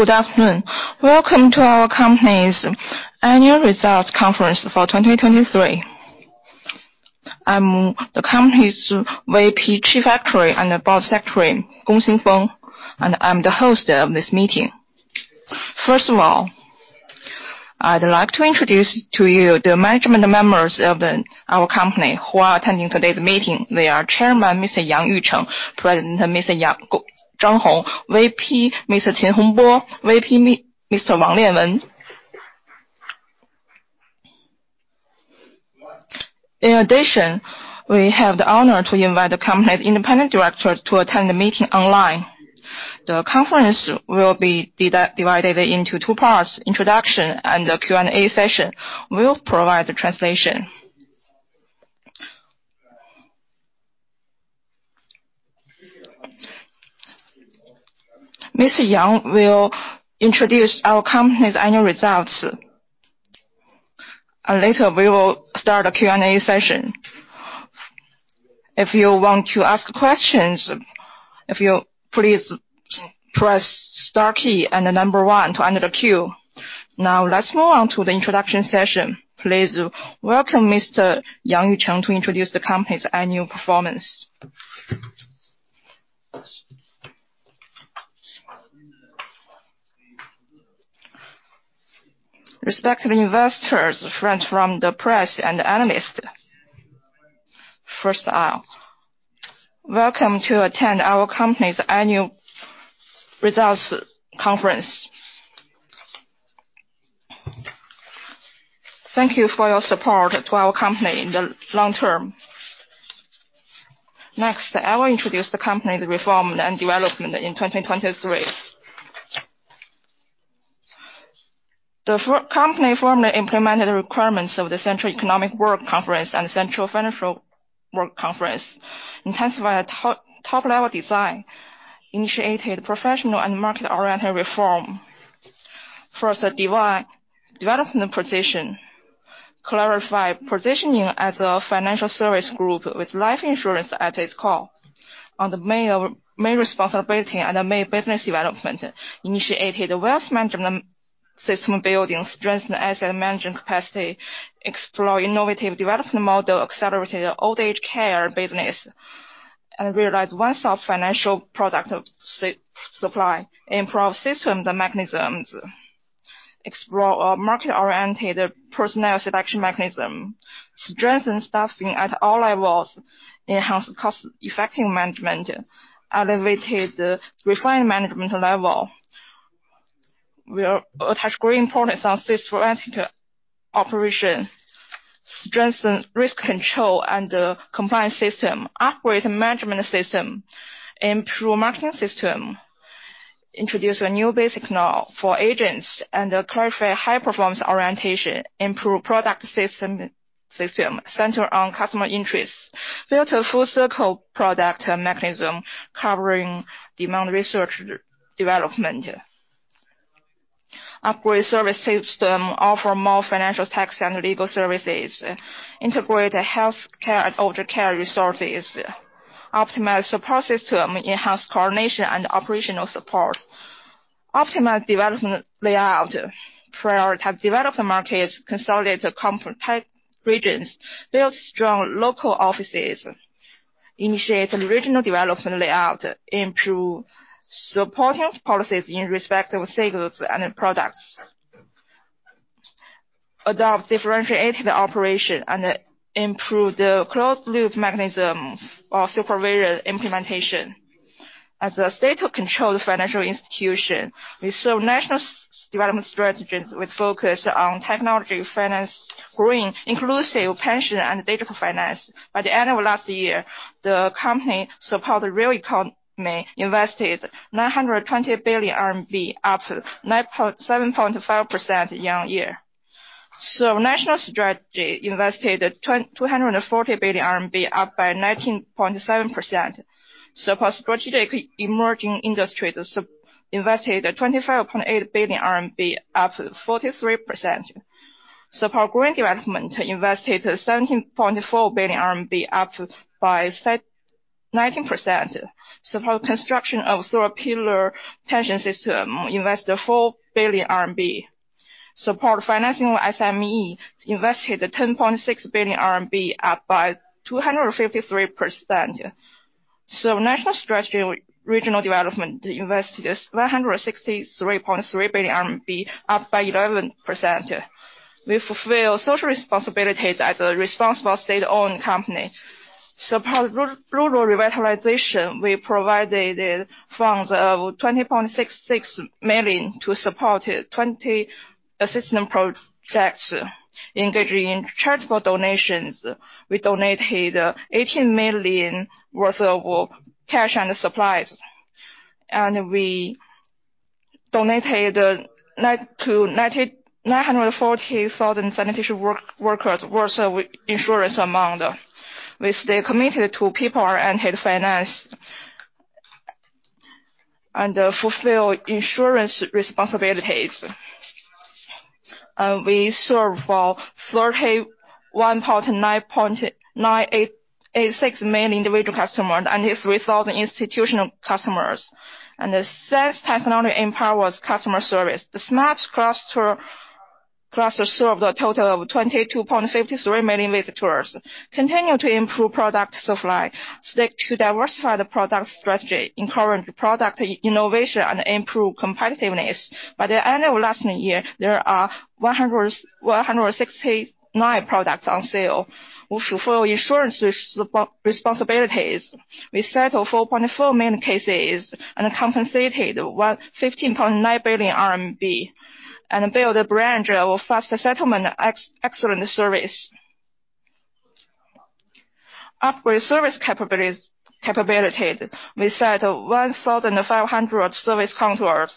Good afternoon. Welcome to our company's annual results conference for 2023. I'm the company's VP, Chief Actuary and Board Secretary, Gong Xingfeng, and I'm the host of this meeting. First of all, I'd like to introduce to you the management members of our company who are attending today's meeting. They are Chairman Mr. Yang Yucheng, President Mr. Zhang Hong, VP Mr. Qin Hongbo, VP Mr. Wang Lianwen. In addition, we have the honor to invite the company's independent director to attend the meeting online. The conference will be divided into two parts: introduction and the Q&A session. We'll provide the translation. Mr. Yang will introduce our company's annual results, and later we will start the Q&A session. If you want to ask questions, please press star key and the number 1 to enter the queue. Now, let's move on to the introduction session. Please welcome Mr. Yang Yucheng to introduce the company's annual performance. Respected investors, friends from the press, and analysts, first of all, welcome to attend our company's annual results conference. Thank you for your support to our company in the long term. Next, I will introduce the company's reform and development in 2023. The company formally implemented the requirements of the Central Economic Work Conference and the Central Financial Work Conference, intensified top-level design, initiated professional and market-oriented reform. First, a diversified development position clarified positioning as a financial service group with life insurance at its core. On the main responsibility and the main business development, initiated wealth management system building, strengthened asset management capacity, explored innovative development model, accelerated old-age care business, and realized one-stop financial product supply, improved systems and mechanisms, explored a market-oriented personnel selection mechanism, strengthened staffing at all levels, enhanced cost-effective management, elevated refined management level. We'll attach great importance on systematic operation, strengthen risk control and compliance system, upgrade management system, improve marketing system, introduce a new Basic Law for agents, and clarify high-performance orientation, improve product system centered on customer interests, build a full-circle product mechanism covering demand research development. Upgrade service system, offer more financial tax and legal services, integrate healthcare and older care resources, optimize support system, enhance coordination and operational support, optimize development layout, prioritize developed markets, consolidate comp regions built strong local offices, initiate regional development layout, improve supporting policies in respect of sales and products, adopt differentiated operation, and improve the closed-loop mechanism of supervision implementation. As a state-controlled financial institution, we serve national development strategies with focus on technology finance, green, inclusive pension, and digital finance. By the end of last year, the company supported real economy, invested 920 billion RMB, up 7.5% year-on-year. Served national strategy: invested 240 billion RMB, up by 19.7%. Supported strategic emerging industries: invested 25.8 billion RMB, up 43%. Supported green development: invested 17.4 billion RMB, up by 19%. Supported construction of Third Pillar pension system: invested 4 billion RMB. Supported financing SME: invested 10.6 billion RMB, up by 253%. Served national strategy regional development: invested 163.3 billion RMB, up by 11%. We fulfill social responsibilities as a responsible state-owned company. Supported rural revitalization; we provided funds of 20.66 million to support 20 assistance projects. Engaging in charitable donations, we donated 18 million worth of cash and supplies, and we donated to 940,000 sanitation workers' worth of insurance amount. We stay committed to people-oriented finance and fulfill insurance responsibilities. We serve 31.986 million individual customers and 3,000 institutional customers. Since technology empowers customer service, the SMAP cluster served a total of 22.53 million visitors. Continue to improve product supply, stick to diversified product strategy, encourage product innovation, and improve competitiveness. By the end of last year, there are 169 products on sale. We fulfill insurance responsibilities. We settle 4.4 million cases and compensated 15.9 billion RMB and built a branch of fast settlement excellent service. Upgrade service capabilities. We set 1,500 service contours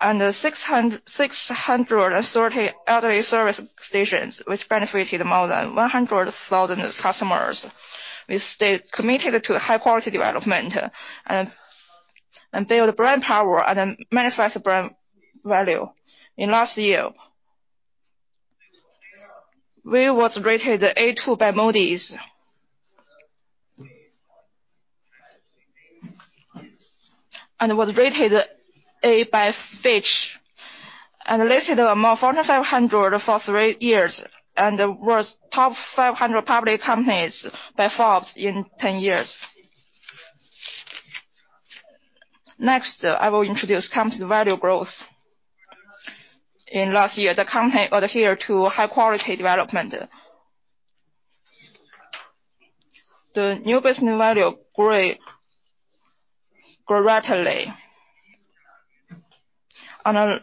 and 630 elderly service stations, which benefited more than 100,000 customers. We stay committed to high-quality development and build brand power and manifest brand value. In last year, we were rated A2 by Moody's and were rated A by Fitch and listed among Fortune 500 for three years and were top 500 public companies by Forbes in 10 years. Next, I will introduce company value growth. In last year, the company adhered to high-quality development. The new business value grew rapidly. On a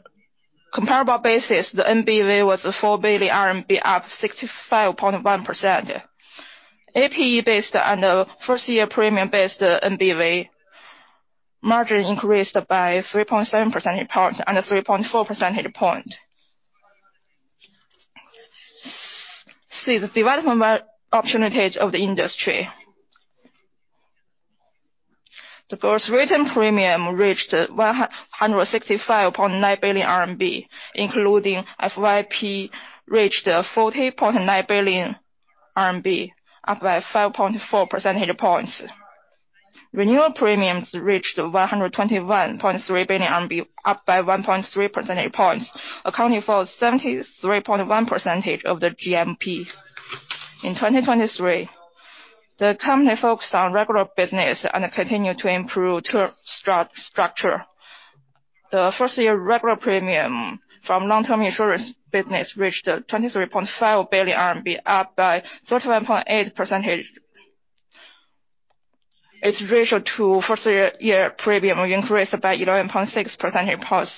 comparable basis, the NBV was 4 billion RMB, up 65.1%. APE-based and first-year premium-based NBV margin increased by 3.7 percentage points and 3.4 percentage points. See the development opportunities of the industry. The gross written premium reached 165.9 billion RMB, including FYP reached 40.9 billion RMB, up by 5.4 percentage points. Renewal premiums reached 121.3 billion RMB, up by 1.3 percentage points, accounting for 73.1% of the GWP. In 2023, the company focused on regular business and continued to improve term structure. The first-year regular premium from long-term insurance business reached 23.5 billion RMB, up by 31.8%. Its ratio to first-year premium increased by 11.6 percentage points.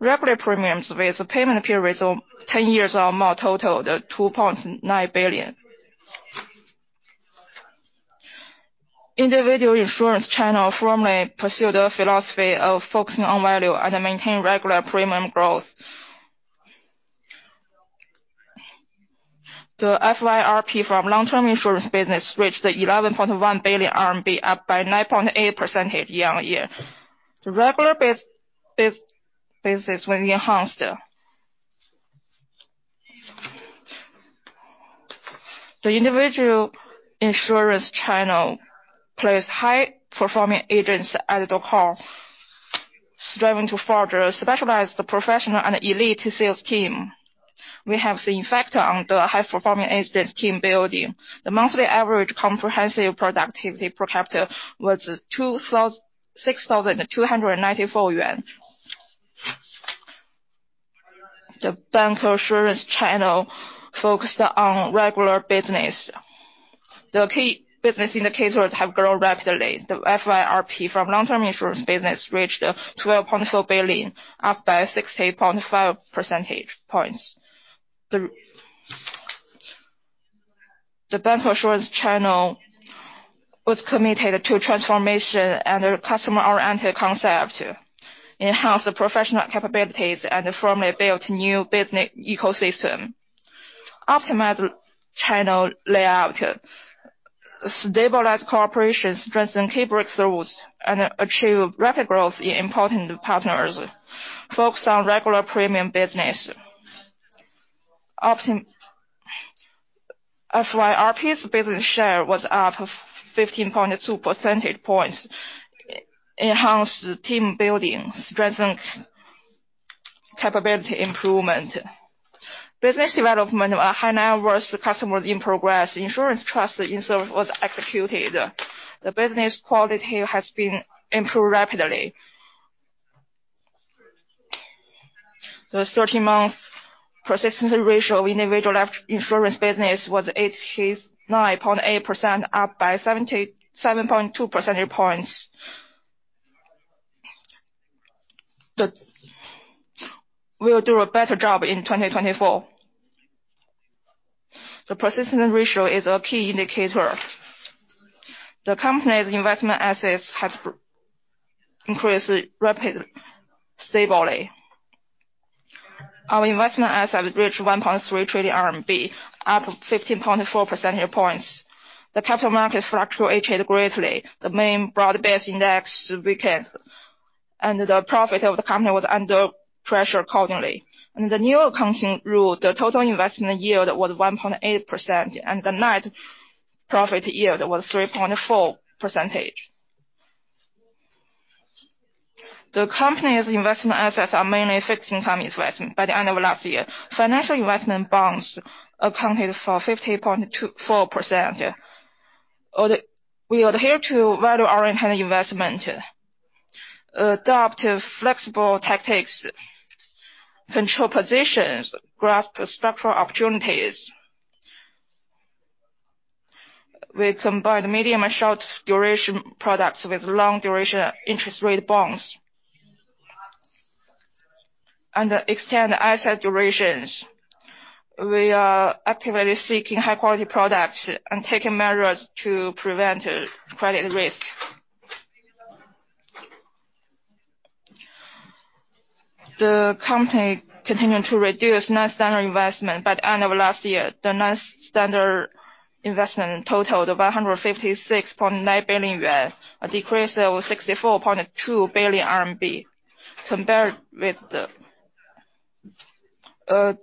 Regular premiums with payment periods of 10 years among totaled CNY 2.9 billion. Individual insurance channel firmly pursued a philosophy of focusing on value and maintaining regular premium growth. The FYRP from long-term insurance business reached 11.1 billion RMB, up by 9.8% year on year. The regular basis was enhanced. The individual insurance channel placed high-performing agents at the call, striving to forge a specialized professional and elite sales team. We have seen factor on the high-performing agents team building. The monthly average comprehensive productivity per capita was CNY 6,294. The bank assurance channel focused on regular business. The key business indicators have grown rapidly. The FYRP from long-term insurance business reached 12.4 billion, up by 60.5 percentage points. The bank assurance channel was committed to transformation and customer-oriented concept, enhanced professional capabilities, and firmly built new business ecosystem. Optimized channel layout, stabilized cooperation, strengthened key breakthroughs, and achieved rapid growth in important partners. Focus on regular premium business. FYRP's business share was up 15.2 percentage points, enhanced team building, strengthened capability improvement. Business development highlighted worth customers in progress. Insurance trust in service was executed. The business quality has been improved rapidly. The 13-month persistent ratio of individual insurance business was 89.8%, up by 7.2 percentage points. We'll do a better job in 2024. The persistent ratio is a key indicator. The company's investment assets had increased rapidly stably. Our investment assets reached 1.3 trillion RMB, up 15.4 percentage points. The capital markets fluctuated greatly. The main broad-based index weakened, and the profit of the company was under pressure accordingly. The new accounting rule, the total investment yield was 1.8%, and the net profit yield was 3.4%. The company's investment assets are mainly fixed income investment. By the end of last year, financial investment bonds accounted for 50.4%. We adhere to value-oriented investment, adopt flexible tactics, control positions, grasp structural opportunities. We combine medium and short-duration products with long-duration interest-rate bonds and extend asset durations. We are actively seeking high-quality products and taking measures to prevent credit risk. The company continued to reduce non-standard assets. By the end of last year, the non-standard assets totaled 156.9 billion yuan, a decrease of 64.2 billion RMB, decreasing 6.7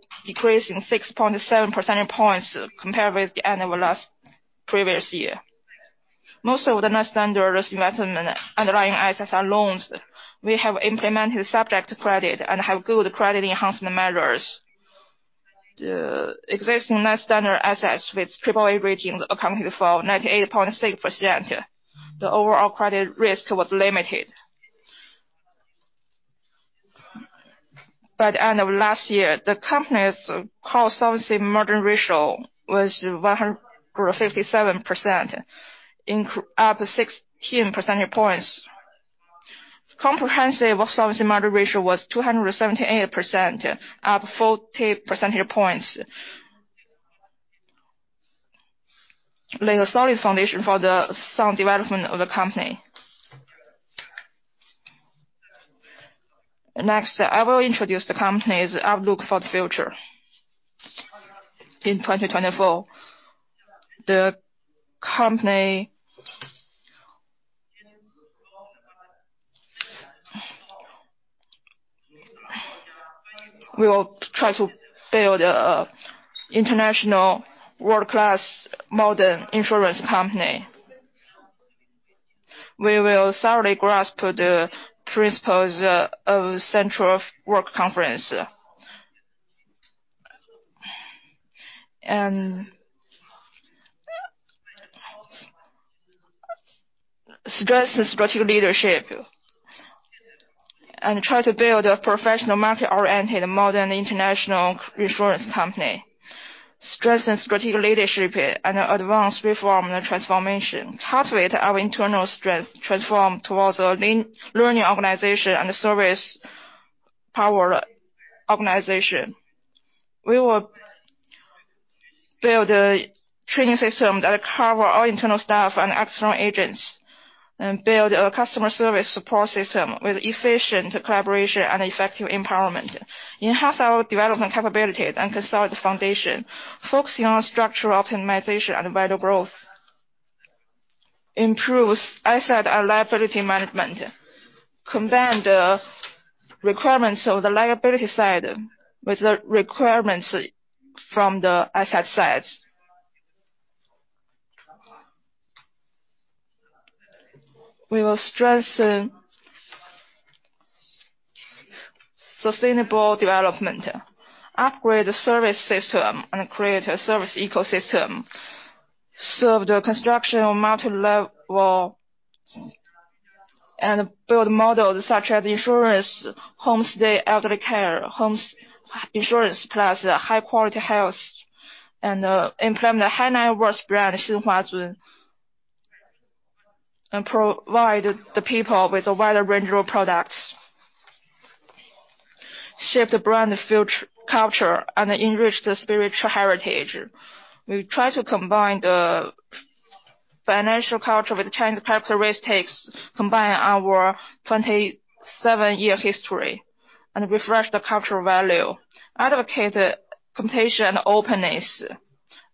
percentage points compared with the end of last previous year. Most of the non-standard assets underlying assets are loans. We have implemented subject credit and have good credit enhancement measures. The existing non-standard assets with AAA ratings accounted for 98.6%. The overall credit risk was limited. By the end of last year, the company's contractual service margin ratio was 157%, up 16 percentage points. Comprehensive services margin ratio was 278%, up 40 percentage points. Lay a solid foundation for the sound development of the company. Next, I will introduce the company's outlook for the future in 2024. The company will try to build an international world-class modern insurance company. We will thoroughly grasp the principles of Central Work conference and strengthen strategic leadership and try to build a professional market-oriented modern international insurance company. Strengthen strategic leadership and advance reform and transformation. Cultivate our internal strength, transform towards a learning organization and service-powered organization. We will build a training system that covers all internal staff and external agents and build a customer service support system with efficient collaboration and effective empowerment. Enhance our development capabilities and consolidate the foundation, focusing on structural optimization and value growth. Improve asset and liability management. Combine the requirements of the liability side with the requirements from the asset sides. We will strengthen sustainable development. Upgrade the service system and create a service ecosystem. Serve the construction of multi-level and build models such as insurance homestay, elderly care, home insurance plus high-quality health, and implement a high-net-worth brand Xinhua Zun and provide the people with a wider range of products. Shape the brand culture and enrich the spiritual heritage. We try to combine the financial culture with Chinese characteristics, combine our 27-year history, and refresh the cultural value. Advocate competition and openness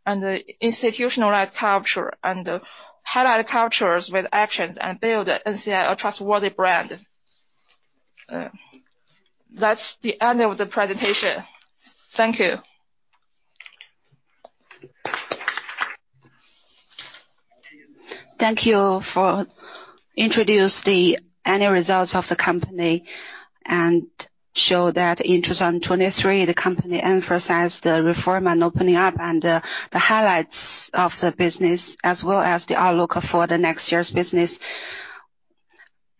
and institutionalized culture and highlight cultures with actions and build a trustworthy brand. That's the end of the presentation. Thank you. Thank you for introducing the annual results of the company and showing that in 2023, the company emphasized the reform and opening up and the highlights of the business as well as the outlook for the next year's business.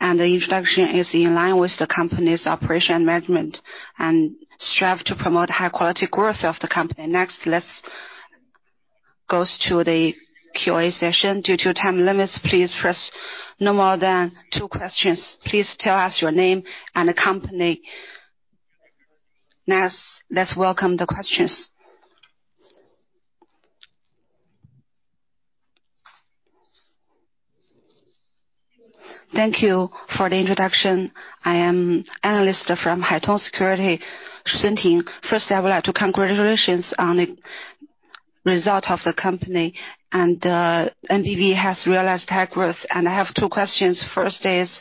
The introduction is in line with the company's operation management and strive to promote high-quality growth of the company. Next, let's go to the Q&A session. Due to time limits, please pose no more than two questions. Please tell us your name and the company. Next, let's welcome the questions. Thank you for the introduction. I am an analyst from Haitong Securities, Sun Ting. First, I would like to congratulate on the result of the company. NBV has realized tech growth. I have two questions. First is,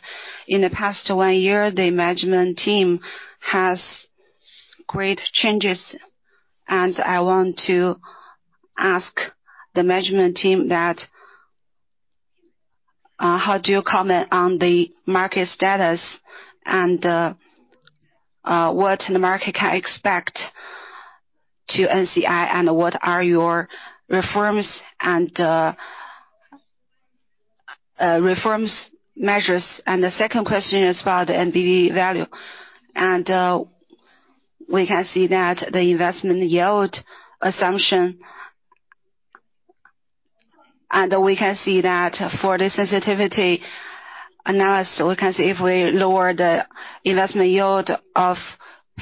in the past one year, the management team has made great changes. I want to ask the management team that how do you comment on the market status and what the market can expect to NCI, and what are your reforms and reforms measures? The second question is about the NBV value. We can see that the investment yield assumption and we can see that for the sensitivity analysis, we can see if we lower the investment yield of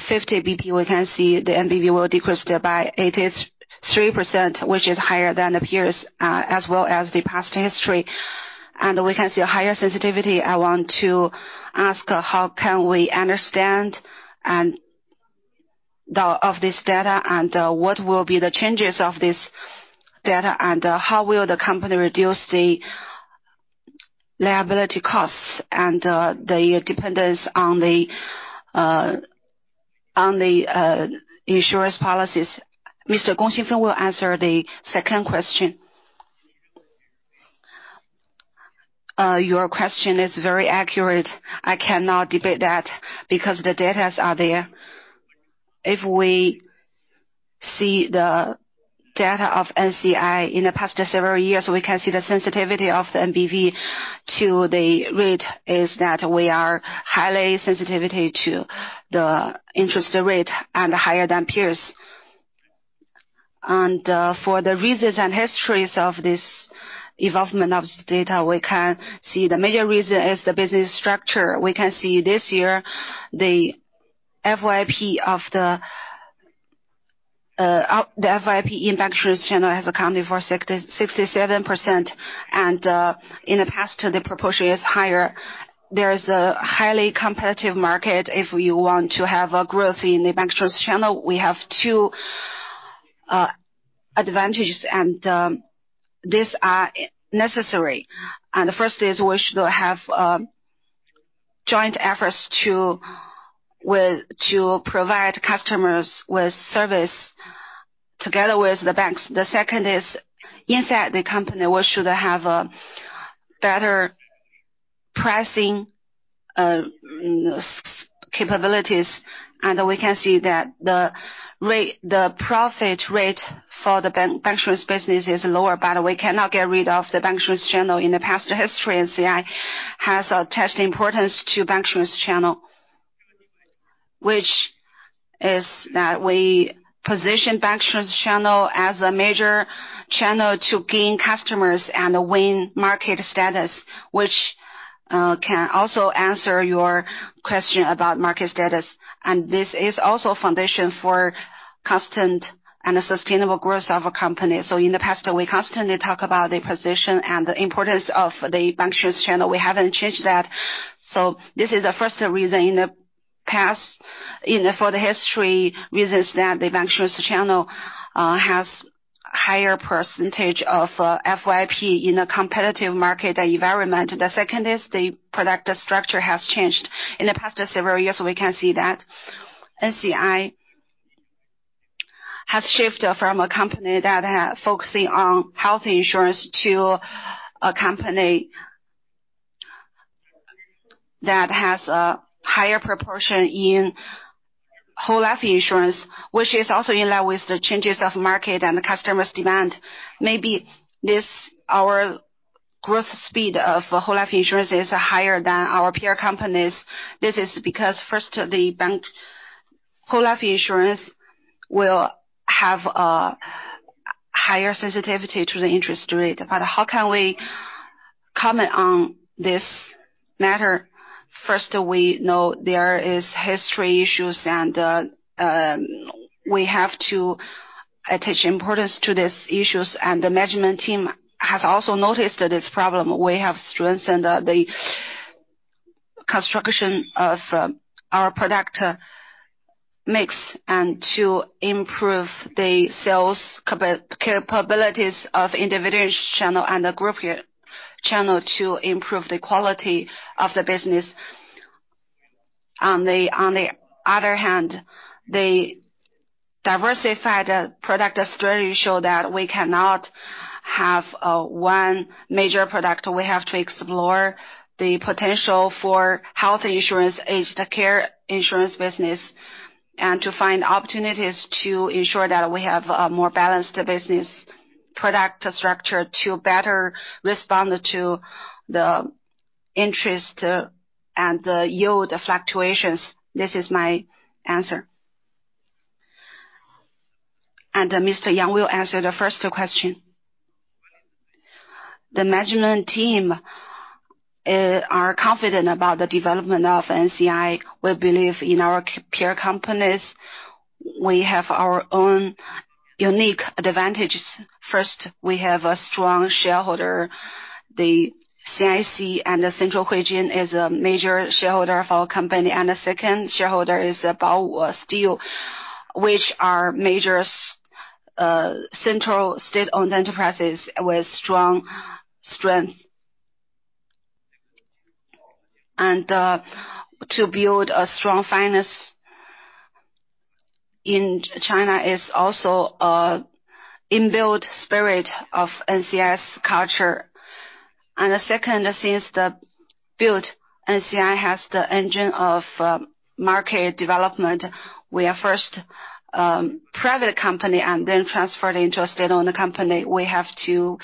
50 basis points, we can see the NBV will decrease by 83%, which is higher than the peers as well as the past history. We can see a higher sensitivity. I want to ask how can we understand of this data and what will be the changes of this data and how will the company reduce the liability costs and the dependence on the insurance policies? Mr. Gong Xingfeng will answer the second question. Your question is very accurate. I cannot debate that because the data are there. If we see the data of NCI in the past several years, we can see the sensitivity of the NBV to the rate is that we are highly sensitive to the interest rate and higher than peers. For the reasons and histories of this evolvement of data, we can see the major reason is the business structure. We can see this year, the FYP of the bancassurance channel has accounted for 67%. And in the past, the proportion is higher. There is a highly competitive market. If you want to have growth in the bancassurance channel, we have two advantages, and these are necessary. And the first is we should have joint efforts to provide customers with service together with the banks. The second is inside the company, we should have better pricing capabilities. We can see that the profit rate for the bancassurance business is lower, but we cannot get rid of the bancassurance channel in the past history. NCI has attached importance to bancassurance channel, which is that we position bancassurance channel as a major channel to gain customers and win market status, which can also answer your question about market status. This is also a foundation for constant and sustainable growth of a company. In the past, we constantly talk about the position and the importance of the bancassurance channel. We haven't changed that. This is the first reason in the past for the history reasons that the bancassurance channel has a higher percentage of FYP in a competitive market environment. The second is the product structure has changed. In the past several years, we can see that NCI has shifted from a company that focuses on health insurance to a company that has a higher proportion in whole life insurance, which is also in line with the changes of market and customers' demand. Maybe our growth speed of whole life insurance is higher than our peer companies. This is because, first, the whole life insurance will have a higher sensitivity to the interest rate. But how can we comment on this matter? First, we know there are historical issues, and we have to attach importance to these issues. The management team has also noticed this problem. We have strengthened the construction of our product mix and to improve the sales capabilities of individual channel and the group channel to improve the quality of the business. On the other hand, the diversified product strategy showed that we cannot have one major product. We have to explore the potential for health insurance, aged care insurance business, and to find opportunities to ensure that we have a more balanced business product structure to better respond to the interest and the yield fluctuations. This is my answer. Mr. Yang will answer the first question. The management team are confident about the development of NCI. We believe in our peer companies. We have our own unique advantages. First, we have a strong shareholder. The CIC and the Central Huijin is a major shareholder of our company. The second shareholder is Bao Steel, which are major central state-owned enterprises with strong strength. To build a strong finance in China is also an inbuilt spirit of NCI's culture. And the second, since the new NCI has the engine of market development, we are first a private company and then transferred into a state-owned company. We have to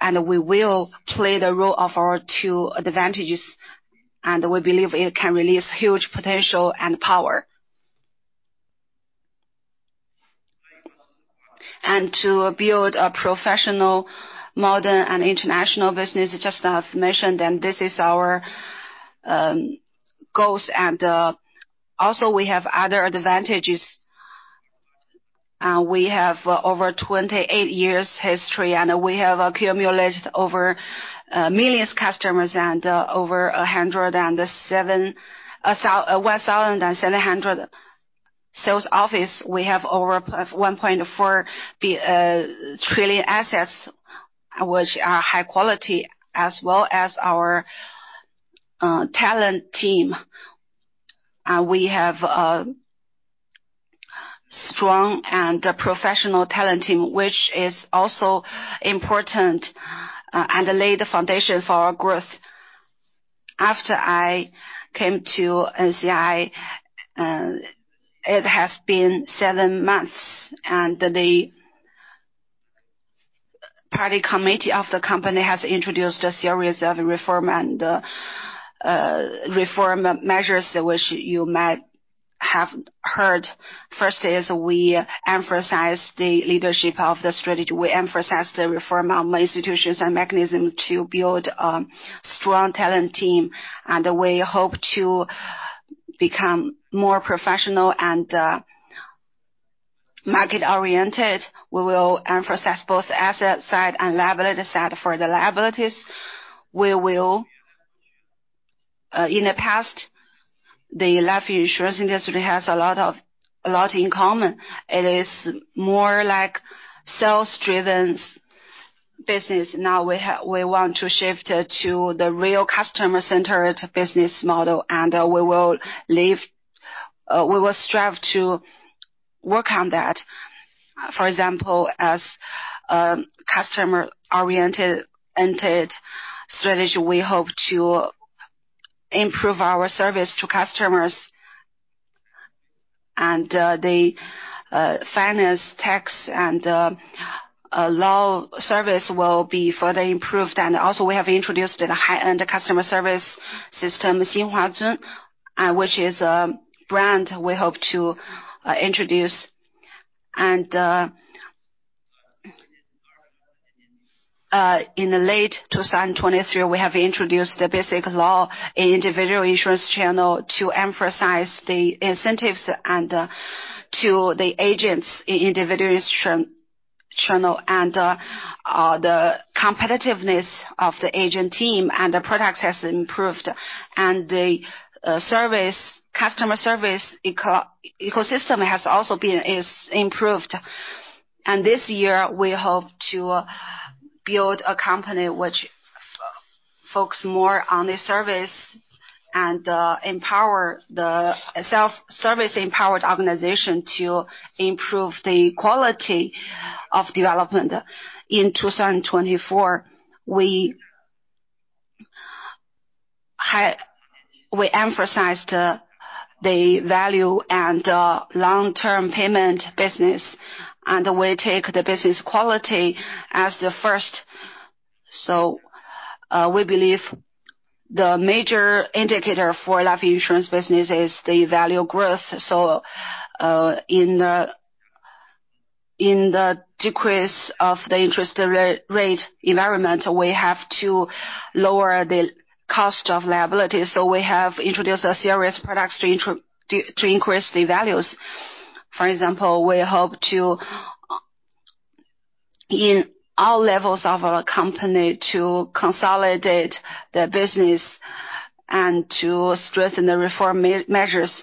and we will play the role of our two advantages. We believe it can release huge potential and power. To build a professional, modern, and international business, just as I've mentioned, then this is our goals. Also, we have other advantages. We have over 28 years' history, and we have accumulated over millions of customers and over 1,700 sales offices. We have over 1.4 trillion assets, which are high quality, as well as our talent team. We have a strong and professional talent team, which is also important and laid the foundation for our growth. After I came to NCI, it has been seven months. The party committee of the company has introduced a series of reform measures, which you might have heard. First is we emphasize the leadership of the strategy. We emphasize the reform of institutions and mechanisms to build a strong talent team. We hope to become more professional and market-oriented. We will emphasize both asset side and liability side for the liabilities. In the past, the life insurance industry has a lot in common. It is more like sales-driven business. Now, we want to shift to the real customer-centered business model, and we will strive to work on that. For example, as a customer-oriented strategy, we hope to improve our service to customers. The finance, tax, and law service will be further improved. We have introduced a high-end customer service system, Xinhua Zun, which is a brand we hope to introduce. In late 2023, we have introduced the Basic Law in individual insurance channel to emphasize the incentives and to the agents in individual insurance channel. The competitiveness of the agent team and the products has improved. The customer service ecosystem has also been improved. This year, we hope to build a company which focuses more on the service and the self-service empowered organization to improve the quality of development. In 2024, we emphasized the value and long-term payment business. We take the business quality as the first. We believe the major indicator for life insurance business is the value growth. In the decrease of the interest rate environment, we have to lower the cost of liabilities. We have introduced a series of products to increase the values. For example, we hope to, in all levels of our company, to consolidate the business and to strengthen the reform measures.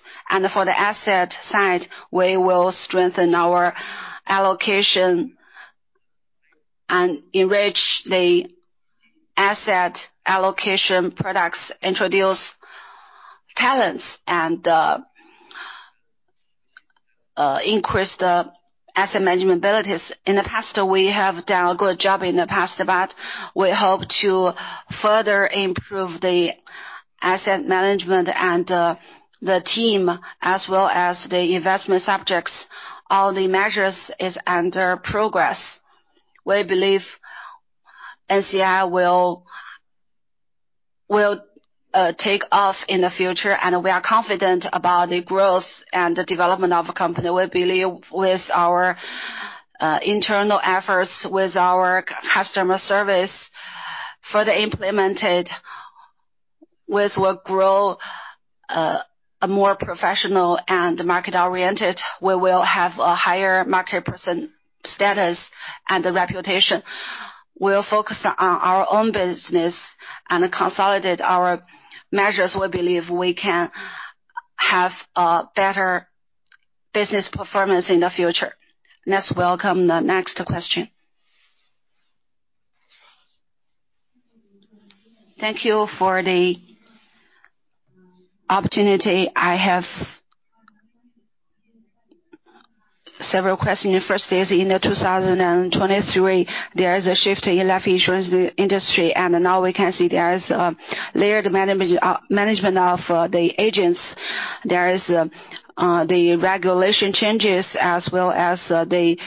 For the asset side, we will strengthen our allocation and enrich the asset allocation products, introduce talents, and increase the asset management abilities. In the past, we have done a good job in the past, but we hope to further improve the asset management and the team as well as the investment subjects. All the measures are under progress. We believe NCI will take off in the future, and we are confident about the growth and the development of the company. We believe with our internal efforts, with our customer service further implemented, we will grow more professional and market-oriented. We will have a higher market status and reputation. We will focus on our own business and consolidate our measures. We believe we can have better business performance in the future. Let's welcome the next question. Thank you for the opportunity. I have several questions. First is in 2023, there is a shift in life insurance industry. Now, we can see there is a layered management of the agents. There are the regulation changes as well as the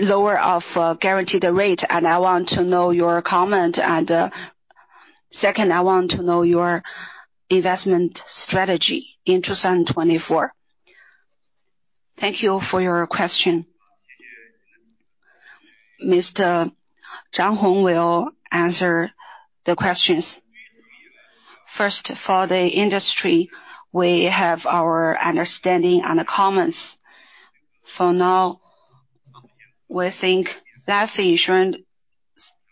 lowering of guaranteed rate. I want to know your comment. Second, I want to know your investment strategy in 2024. Thank you for your question. Mr. Zhang Hong will answer the questions. First, for the industry, we have our understanding and the comments. For now, we think life insurance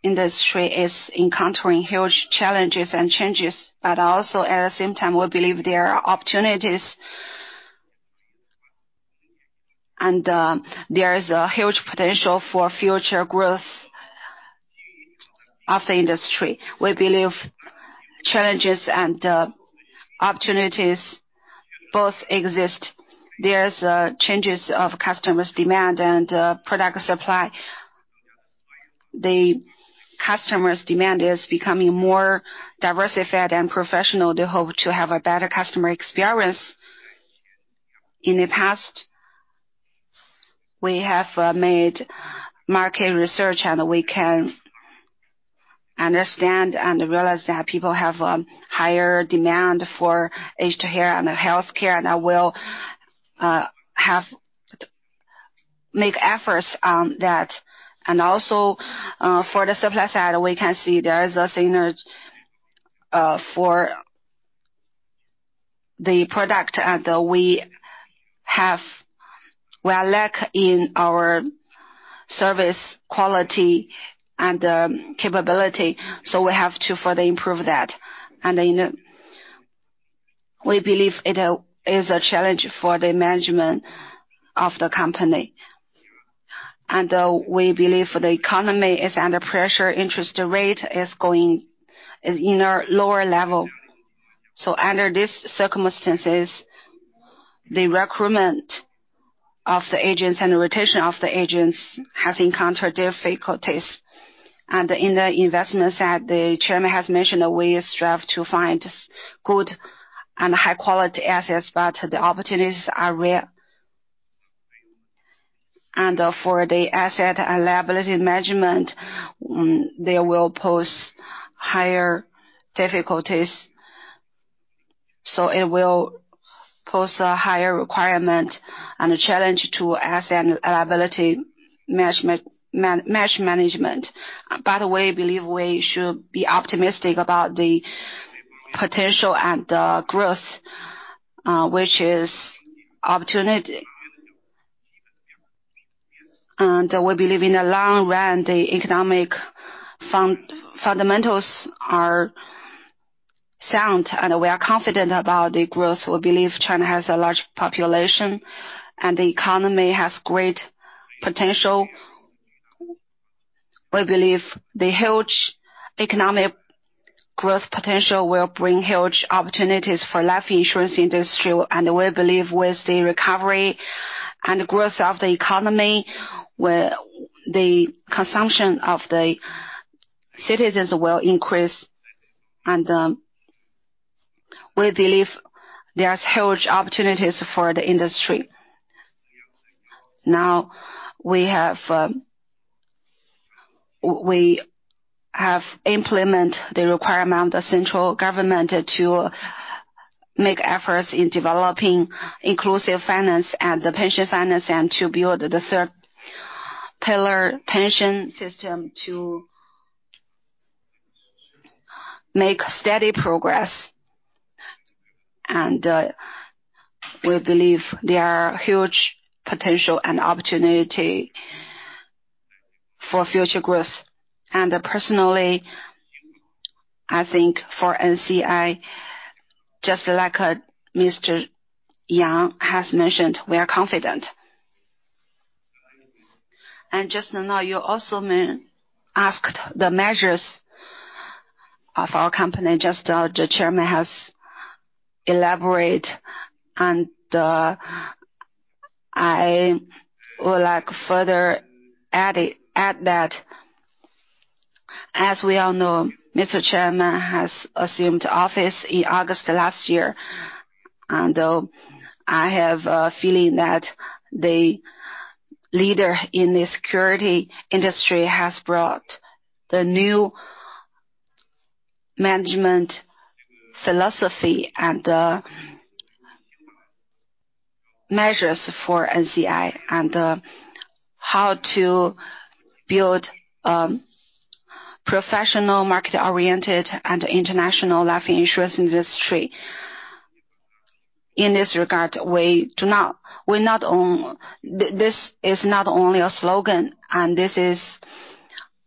industry is encountering huge challenges and changes. But also, at the same time, we believe there are opportunities, and there is a huge potential for future growth of the industry. We believe challenges and opportunities both exist. There are changes of customers' demand and product supply. The customers' demand is becoming more diversified and professional. They hope to have a better customer experience. In the past, we have made market research, and we can understand and realize that people have a higher demand for aged care and healthcare. I will make efforts on that. Also, for the supply side, we can see there is a synergy for the product. We are lacking in our service quality and capability. So we have to further improve that. We believe it is a challenge for the management of the company. We believe the economy is under pressure. Interest rate is in a lower level. Under these circumstances, the recruitment of the agents and the rotation of the agents has encountered difficulties. In the investment side, the chairman has mentioned that we strive to find good and high-quality assets, but the opportunities are rare. For the asset and liability management, they will pose higher difficulties. It will pose a higher requirement and a challenge to asset and liability match management. We believe we should be optimistic about the potential and the growth, which is opportunity. We believe in the long run, the economic fundamentals are sound, and we are confident about the growth. We believe China has a large population, and the economy has great potential. We believe the huge economic growth potential will bring huge opportunities for life insurance industry. We believe with the recovery and growth of the economy, the consumption of the citizens will increase. We believe there are huge opportunities for the industry. Now, we have implemented the requirement of the central government to make efforts in developing inclusive finance and the pension finance and to build the third-pillar pension system to make steady progress. We believe there are huge potential and opportunity for future growth. Personally, I think for NCI, just like Mr. Yang has mentioned, we are confident. Just now, you also asked the measures of our company. Just the chairman has elaborated. I would like to further add that as we all know, Mr. Chairman has assumed office in August last year. I have a feeling that the leader in the securities industry has brought the new management philosophy and measures for NCI and how to build a professional, market-oriented, and international life insurance industry. In this regard, we not only this is not only a slogan, and this is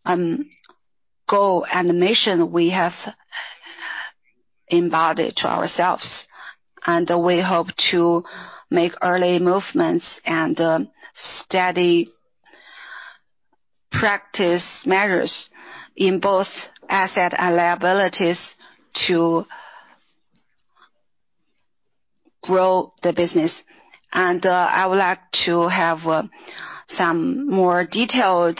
a goal and mission we have embodied to ourselves. We hope to make early movements and steady practice measures in both asset and liabilities to grow the business. I would like to have some more detailed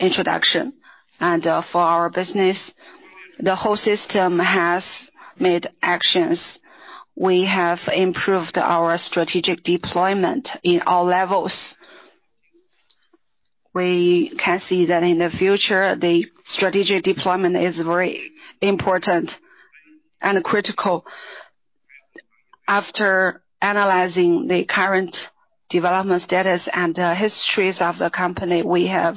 introduction. For our business, the whole system has made actions. We have improved our strategic deployment in all levels. We can see that in the future, the strategic deployment is very important and critical. After analyzing the current development status and histories of the company, we have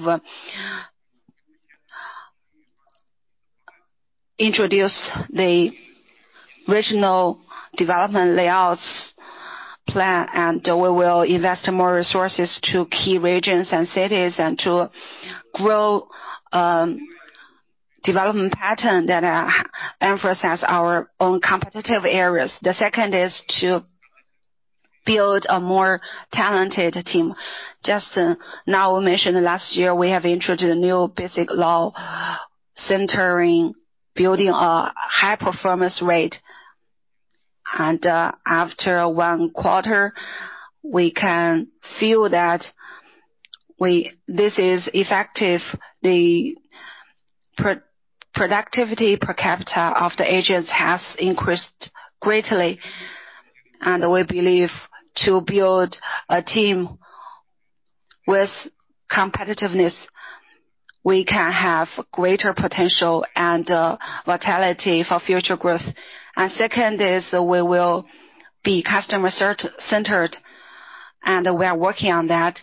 introduced the regional development layouts plan. We will invest more resources to key regions and cities and to grow development patterns that emphasize our own competitive areas. The second is to build a more talented team. Just now, we mentioned last year, we have introduced a new Basic Law centering building a high-performance rate. After Q1, we can feel that this is effective. The productivity per capita of the agents has increased greatly. We believe to build a team with competitiveness, we can have greater potential and vitality for future growth. Second is we will be customer-centered. We are working on that.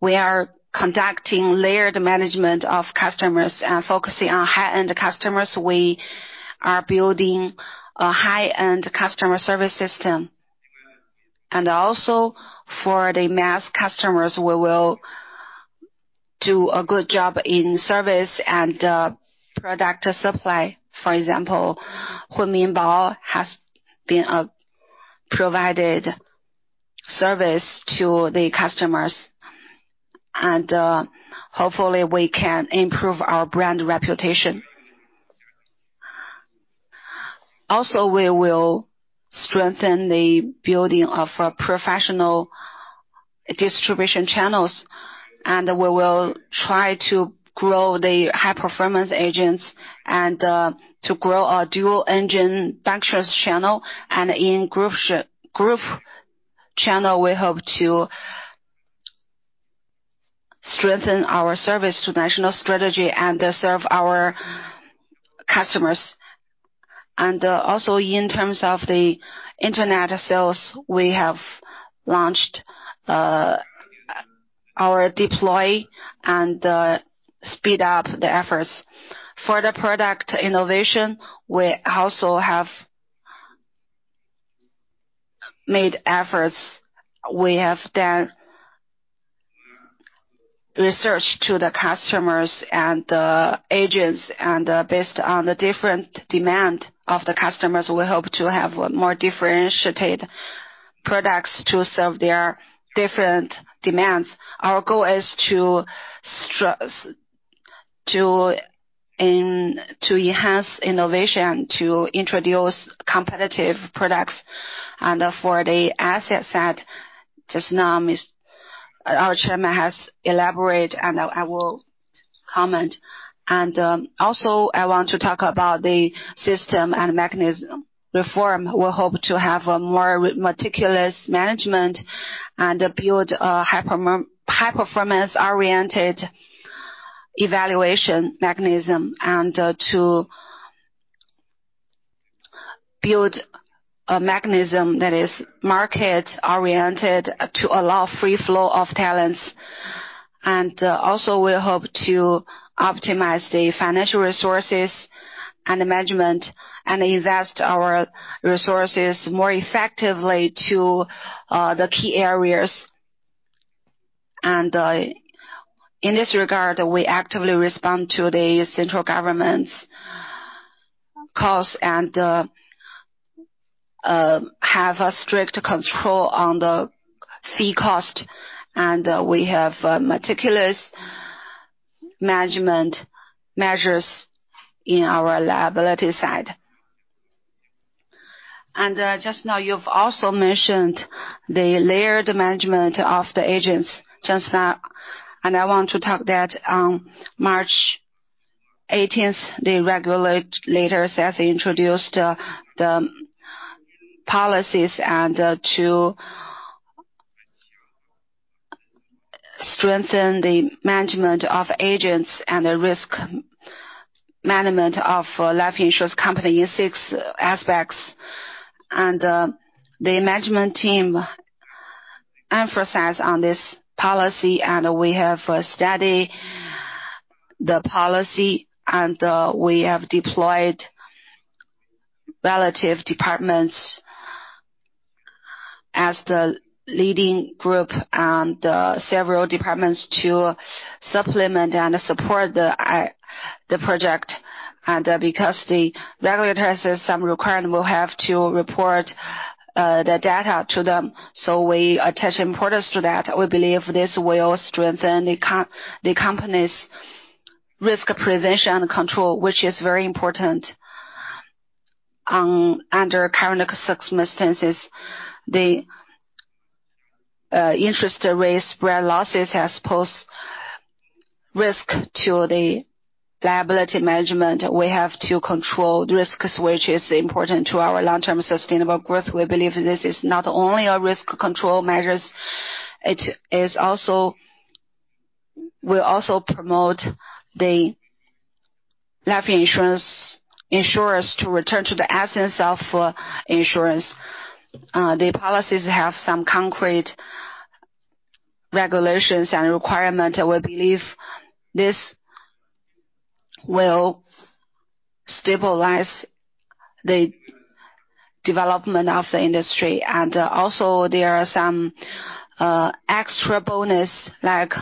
We are conducting layered management of customers and focusing on high-end customers. We are building a high-end customer service system. Also, for the mass customers, we will do a good job in service and product supply. For example, Huiminbao has been providing service to the customers. Hopefully, we can improve our brand reputation. Also, we will strengthen the building of professional distribution channels. We will try to grow the high-performance agents and to grow our dual-engine bancassurance channel. In group channel, we hope to strengthen our service to national strategy and serve our customers. Also, in terms of the internet sales, we have launched our app and speed up the efforts. For the product innovation, we also have made efforts. We have done research to the customers and the agents. Based on the different demand of the customers, we hope to have more differentiated products to serve their different demands. Our goal is to enhance innovation, to introduce competitive products. For the asset side, just now, our chairman has elaborated, and I will comment. Also, I want to talk about the system and mechanism reform. We hope to have a more meticulous management and build a high-performance-oriented evaluation mechanism and to build a mechanism that is market-oriented to allow free flow of talents. Also, we hope to optimize the financial resources and management and invest our resources more effectively to the key areas. In this regard, we actively respond to the central government's calls and have strict control on the fee cost. We have meticulous management measures in our liability side. Just now, you've also mentioned the layered management of the agents. I want to talk that on March 18th, the regulator has introduced the policies to strengthen the management of agents and the risk management of life insurance company in six aspects. The management team emphasized on this policy. We have studied the policy, and we have deployed relative departments as the leading group and several departments to supplement and support the project. Because the regulator has some requirements, we'll have to report the data to them. We attach importance to that. We believe this will strengthen the company's risk prevention control, which is very important. Under current circumstances, the interest rate spread losses has posed risk to the liability management. We have to control risks, which is important to our long-term sustainable growth. We believe this is not only a risk control measure. We also promote the life insurance insurers to return to the essence of insurance. The policies have some concrete regulations and requirements. We believe this will stabilize the development of the industry. Also, there are some extra bonus like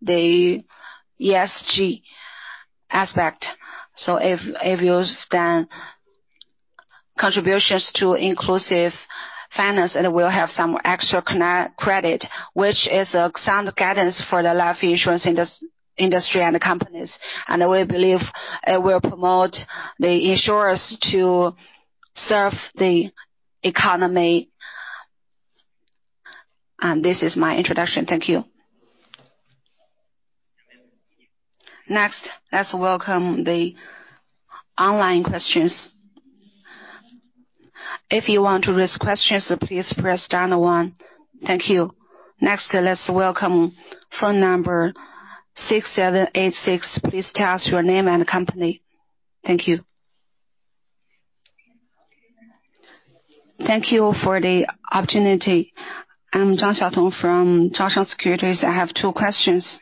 the ESG aspect. So if you've done contributions to inclusive finance, it will have some extra credit, which is sound guidance for the life insurance industry and the companies. And we believe it will promote the insurers to serve the economy. And this is my introduction. Thank you. Next, let's welcome the online questions. If you want to raise questions, please press down the one. Thank you. Next, let's welcome phone number 6786. Please tell us your name and company. Thank you. Thank you for the opportunity. I'm Zhang Xiaotong from Zhongzhou Securities. I have two questions.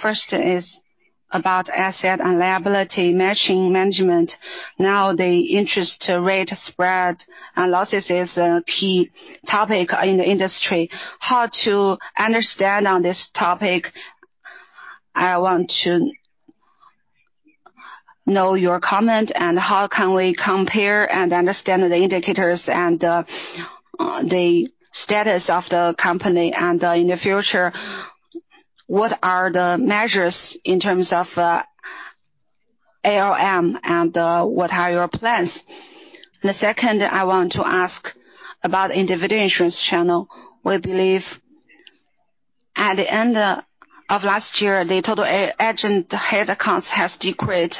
First is about asset and liability matching management. Now, the interest rate spread and losses is a key topic in the industry. How to understand on this topic? I want to know your comment. And how can we compare and understand the indicators and the status of the company? In the future, what are the measures in terms of ALM, and what are your plans? And the second, I want to ask about individual insurance channel. We believe at the end of last year, the total agent head counts has decreased,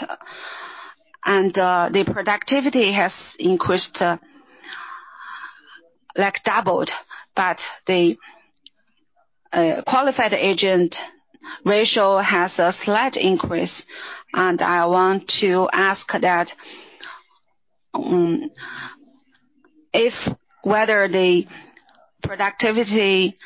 and the productivity has increased, doubled. But the qualified agent ratio has a slight increase. And I want to ask whether the productivity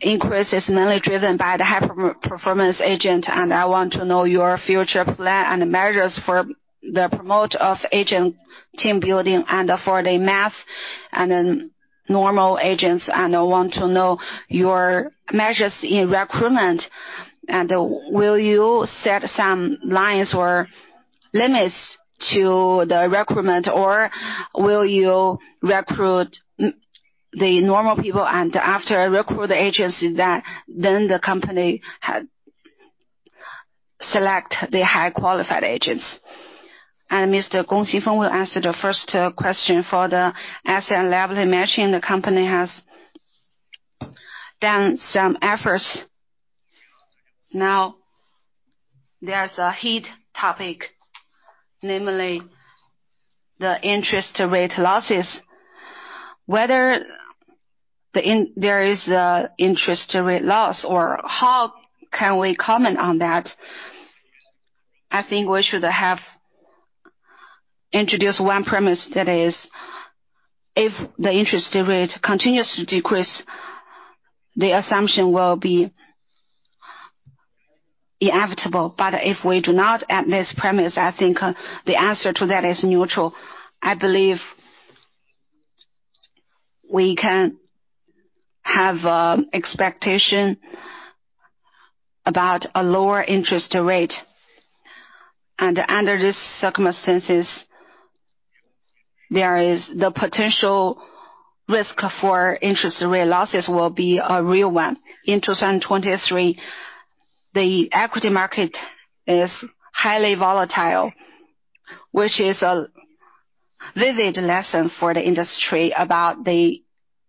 increase is mainly driven by the high-performance agent. And I want to know your future plan and measures for the promotion of agent team building and for the mass and normal agents. And I want to know your measures in recruitment. And will you set some lines or limits to the recruitment, or will you recruit the normal people? And after recruit the agents, then the company selects the high-qualified agents. And Mr. Gong Xingfeng will answer the first question. For the asset and liability matching, the company has done some efforts. Now, there's a hot topic, namely the interest rate losses. Whether there is interest rate loss or how can we comment on that? I think we should have introduced one premise that is if the interest rate continues to decrease, the assumption will be inevitable. But if we do not add this premise, I think the answer to that is neutral. I believe we can have expectation about a lower interest rate. And under these circumstances, the potential risk for interest rate losses will be a real one. In 2023, the equity market is highly volatile, which is a vivid lesson for the industry about the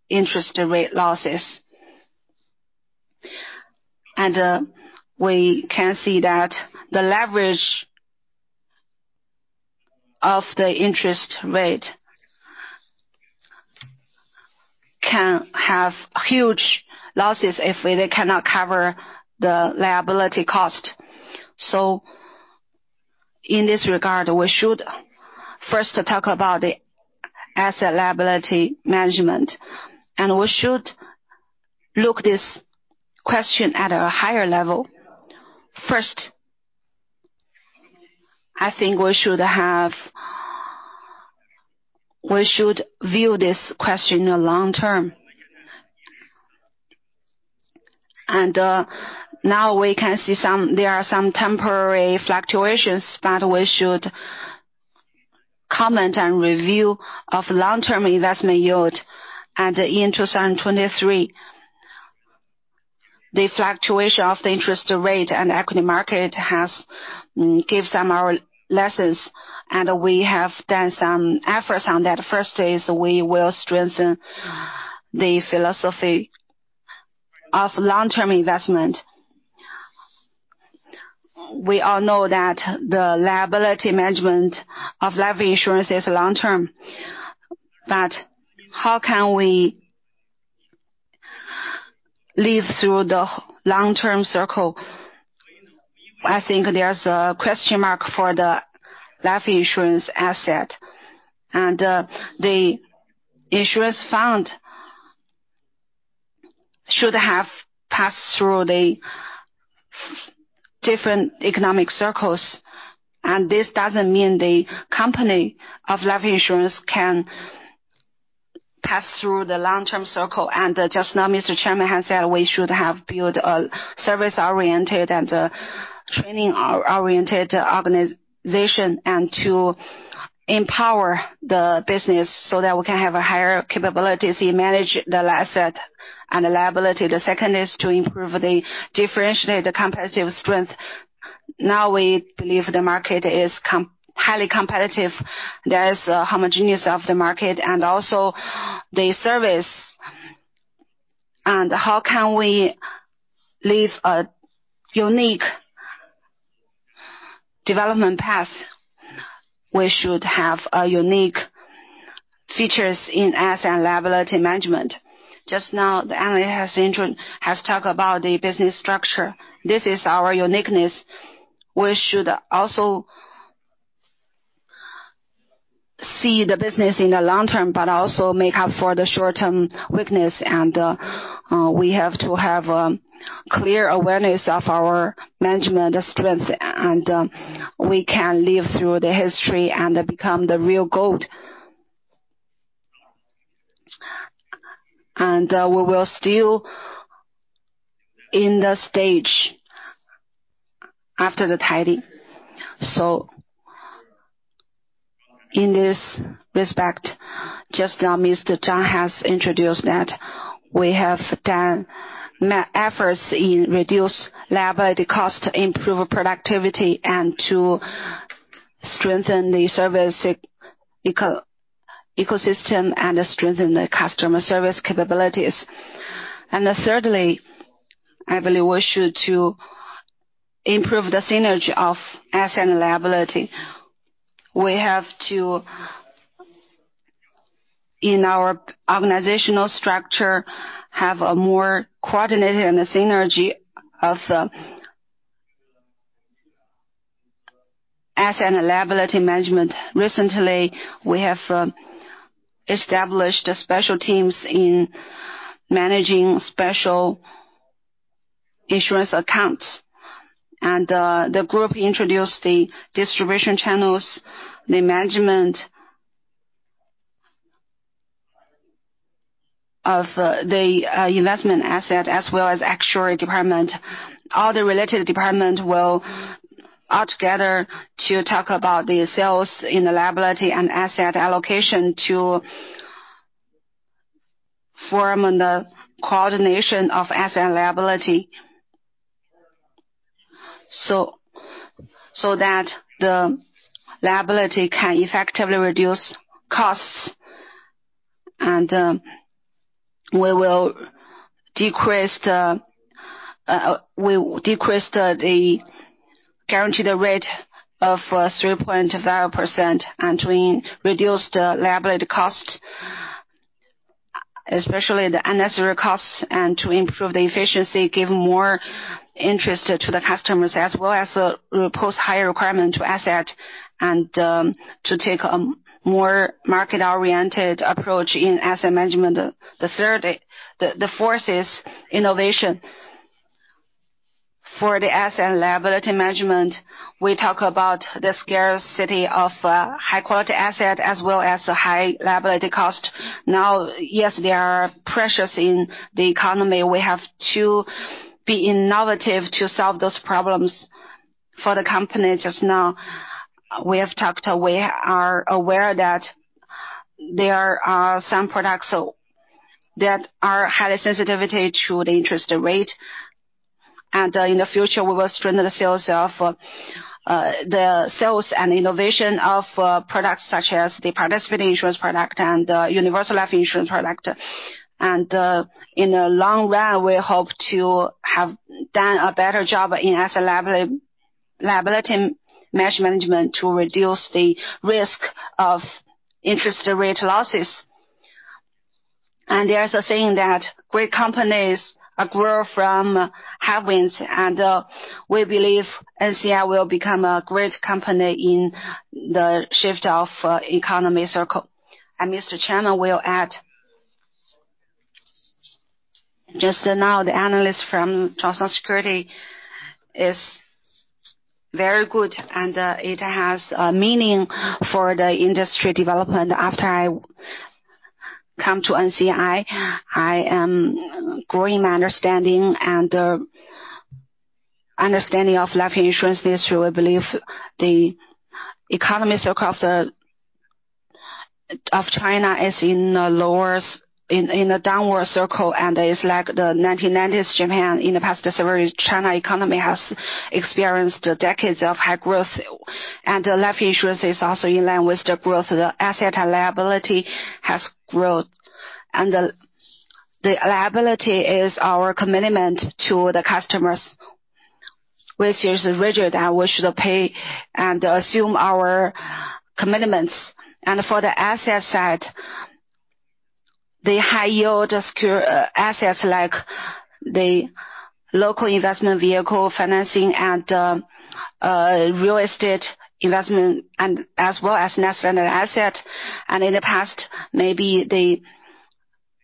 interest rate losses. And we can see that the leverage of the interest rate can have huge losses if they cannot cover the liability cost. In this regard, we should first talk about the asset-liability management. We should look at this question at a higher level. First, I think we should view this question long-term. Now, we can see there are some temporary fluctuations, but we should comment on review of long-term investment yield. In 2023, the fluctuation of the interest rate and equity market gives some lessons. We have done some efforts on that. First is we will strengthen the philosophy of long-term investment. We all know that the liability management of life insurance is long-term. How can we live through the long-term cycle? I think there's a question mark for the life insurance asset. The insurance fund should have passed through the different economic cycles. This doesn't mean the company of life insurance can pass through the long-term cycle. Just now, Mr. Chairman has said we should have built a service-oriented and training-oriented organization and to empower the business so that we can have higher capabilities to manage the asset and the liability. The second is to improve the differentiated competitive strength. Now, we believe the market is highly competitive. There is a homogeneity of the market. Also, the service. How can we leave a unique development path? We should have unique features in asset and liability management. Just now, the analyst has talked about the business structure. This is our uniqueness. We should also see the business in the long-term but also make up for the short-term weakness. We have to have a clear awareness of our management strength. We can live through the history and become the real gold. We will still be in the stage after the tidy. So in this respect, just now, Mr. Zhang has introduced that we have done efforts in reducing liability cost, improving productivity, and to strengthen the service ecosystem and strengthen the customer service capabilities. And thirdly, I believe we should improve the synergy of asset and liability. We have to, in our organizational structure, have a more coordinated and a synergy of asset and liability management. Recently, we have established special teams in managing special insurance accounts. And the group introduced the distribution channels, the management of the investment asset, as well as actuary department. All the related departments will altogether talk about the sales in the liability and asset allocation to form the coordination of asset and liability so that the liability can effectively reduce costs. We will decrease the guaranteed rate of 3.5% and reduce the liability cost, especially the unnecessary costs, and to improve the efficiency, give more interest to the customers, as well as pose higher requirements to assets and to take a more market-oriented approach in asset management. The fourth is innovation. For the asset and liability management, we talk about the scarcity of high-quality assets as well as high liability costs. Now, yes, there are pressures in the economy. We have to be innovative to solve those problems for the company. Just now, we have talked, we are aware that there are some products that are highly sensitive to the interest rate. In the future, we will strengthen the sales and innovation of products such as the participatory insurance product and the universal life insurance product. In the long run, we hope to have done a better job in asset-liability matching management to reduce the risk of interest rate losses. There's a saying that great companies grow from headwinds. We believe NCI will become a great company in the shift of economic cycle. Mr. Chairman will add. Just now, the analyst from Zhongzhou Securities is very good, and it has meaning for the industry development. After I come to NCI, I am growing my understanding and understanding of the life insurance industry. We believe the economic cycle of China is in a downward cycle. It's like the 1990s Japan. In the past decades, China economy has experienced decades of high growth. Life insurance is also in line with the growth. The asset and liability has grown. The liability is our commitment to the customers, which is rigid. We should pay and assume our commitments. For the asset side, the high-yield assets like the local investment vehicle financing and real estate investment, as well as national assets. In the past, maybe the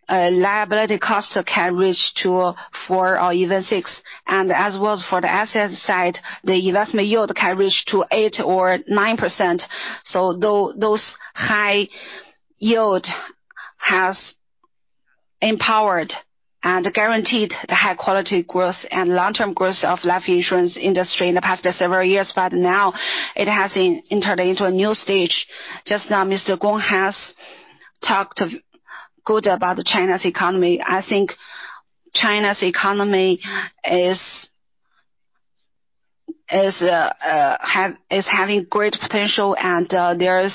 liability cost can reach 4 or even 6. As well as for the asset side, the investment yield can reach 8% or 9%. Those high yields have empowered and guaranteed the high-quality growth and long-term growth of the life insurance industry in the past several years. Now, it has entered into a new stage. Just now, Mr. Gong has talked good about China's economy. I think China's economy is having great potential. There are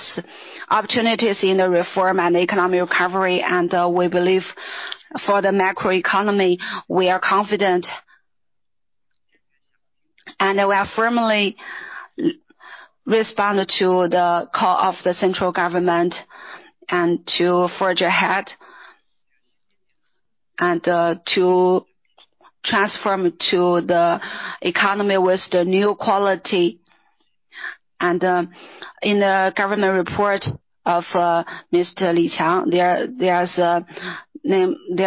opportunities in the reform and economic recovery. We believe for the macroeconomy, we are confident. We are firmly responding to the call of the central government and to forge ahead and to transform the economy with the new quality. In the government report of Mr. Li Qiang,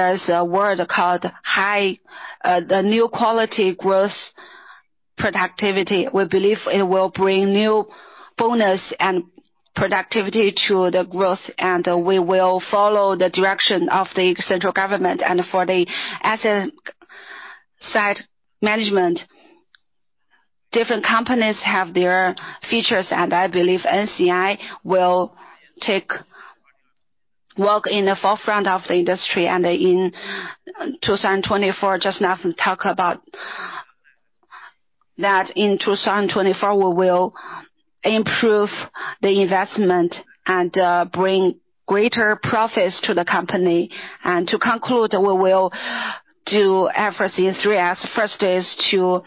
there's a word called high-quality new productive forces. We believe it will bring new bonus and productivity to the growth. We will follow the direction of the central government. For the asset side management, different companies have their features. I believe NCI will walk in the forefront of the industry. In 2024, just now, I can talk about that. In 2024, we will improve the investment and bring greater profits to the company. To conclude, we will do efforts in three aspects. First is to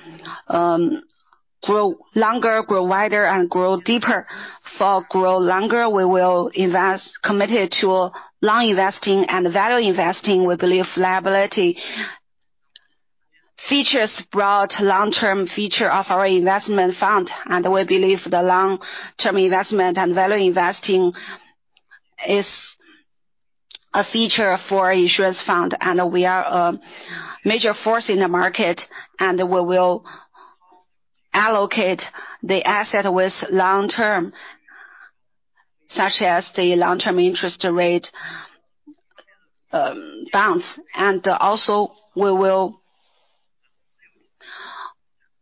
grow longer, grow wider, and grow deeper. For grow longer, we will be committed to long investing and value investing. We believe liability features brought long-term feature of our investment fund. We believe the long-term investment and value investing is a feature for insurance fund. We are a major force in the market. We will allocate the asset with long-term, such as the long-term interest rate bonds. We will also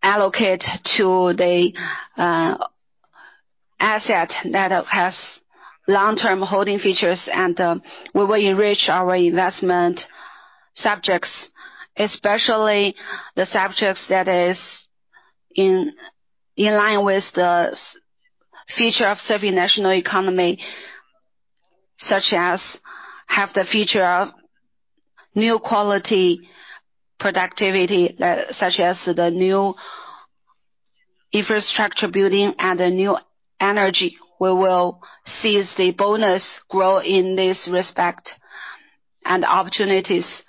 allocate to the asset that has long-term holding features. We will enrich our investment subjects, especially the subjects that are in line with the feature of serving national economy, such as have the feature of new quality productivity, such as the new infrastructure building and the new energy. We will seize the bonus growth in this respect and opportunities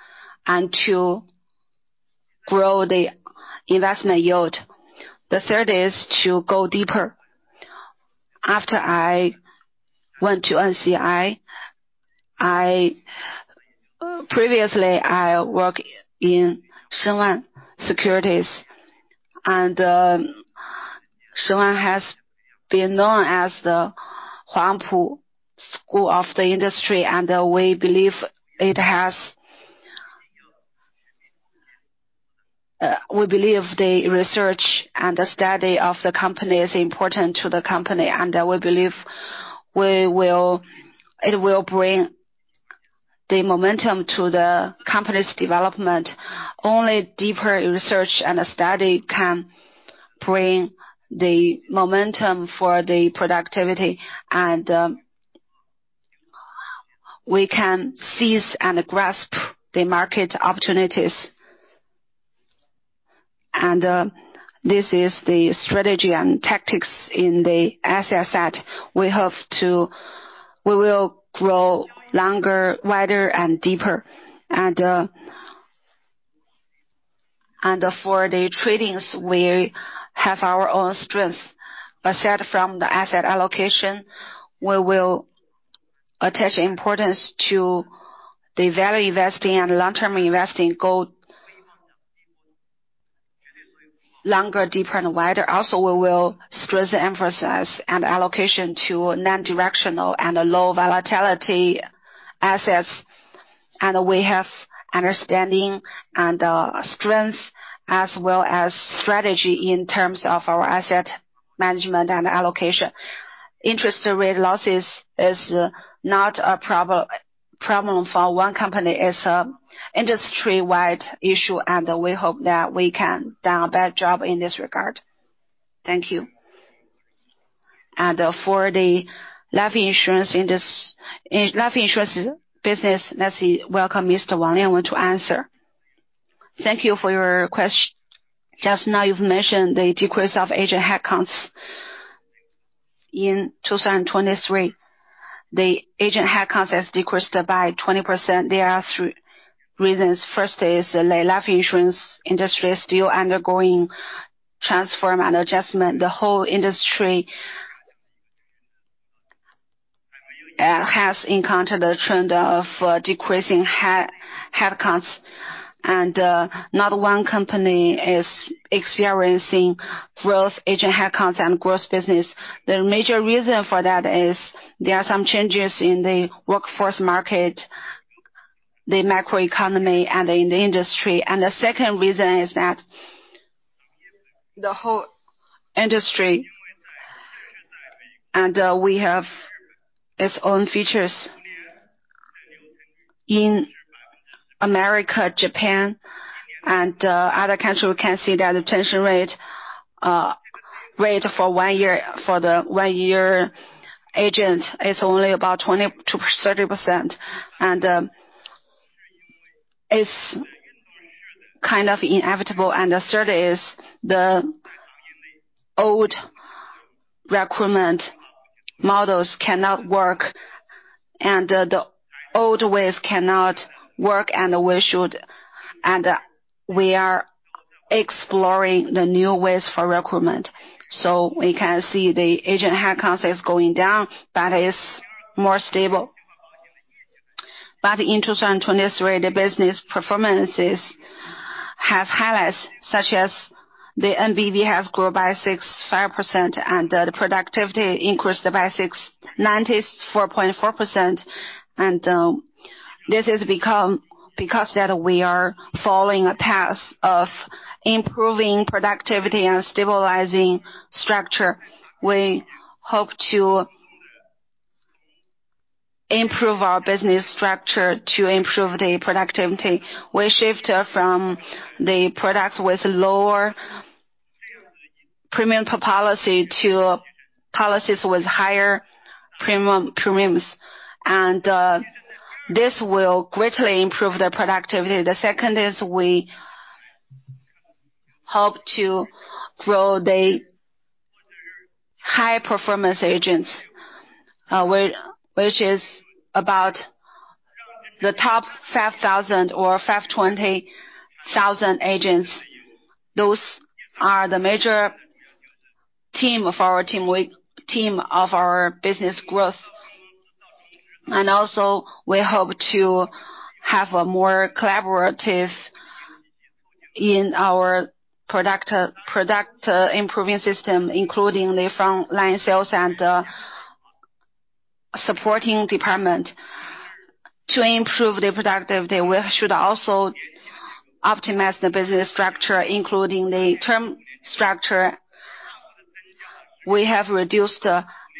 and to grow the investment yield. The third is to go deeper. After I went to NCI, previously, I worked in Shenwan Securities. Shenwan has been known as the Huangpu School of the Industry. And we believe the research and the study of the company is important to the company. And we believe it will bring the momentum to the company's development. Only deeper research and study can bring the momentum for the productivity. And we can seize and grasp the market opportunities. And this is the strategy and tactics in the asset side. We will grow longer, wider, and deeper. And for the tradings, we have our own strength. Aside from the asset allocation, we will attach importance to the value investing and long-term investing goal: longer, deeper, and wider. Also, we will strengthen, emphasize, and allocate to non-directional and low-volatility assets. And we have understanding and strength, as well as strategy in terms of our asset management and allocation. Interest rate losses are not a problem for one company. It's an industry-wide issue. We hope that we can do a better job in this regard. Thank you. For the life insurance business, let's welcome Mr. Wang Lianwen to answer. Thank you for your question. Just now, you've mentioned the decrease of agent headcounts in 2023. The agent headcounts have decreased by 20%. There are three reasons. First is the life insurance industry is still undergoing transformation and adjustment. The whole industry has encountered a trend of decreasing headcounts. And not one company is experiencing growth agent headcounts and growth business. The major reason for that is there are some changes in the workforce market, the macroeconomy, and in the industry. And the second reason is that the whole industry has its own features. In America, Japan, and other countries, we can see that the retention rate for one year for the one-year agent is only about 20%-30%. And it's kind of inevitable. The third is the old recruitment models cannot work. The old ways cannot work. We should and we are exploring the new ways for recruitment. So we can see the agent headcounts are going down, but it's more stable. But in 2023, the business performances have highlights, such as the MVV has grown by 65%. The productivity increased by 69.4%. This is because that we are following a path of improving productivity and stabilizing structure. We hope to improve our business structure to improve the productivity. We shift from the products with lower premium policy to policies with higher premiums. This will greatly improve the productivity. The second is we hope to grow the high-performance agents, which is about the top 5,000 or 520,000 agents. Those are the major team of our business growth. And also, we hope to have more collaborative in our product improving system, including the frontline sales and supporting department, to improve the productivity. We should also optimize the business structure, including the term structure. We have reduced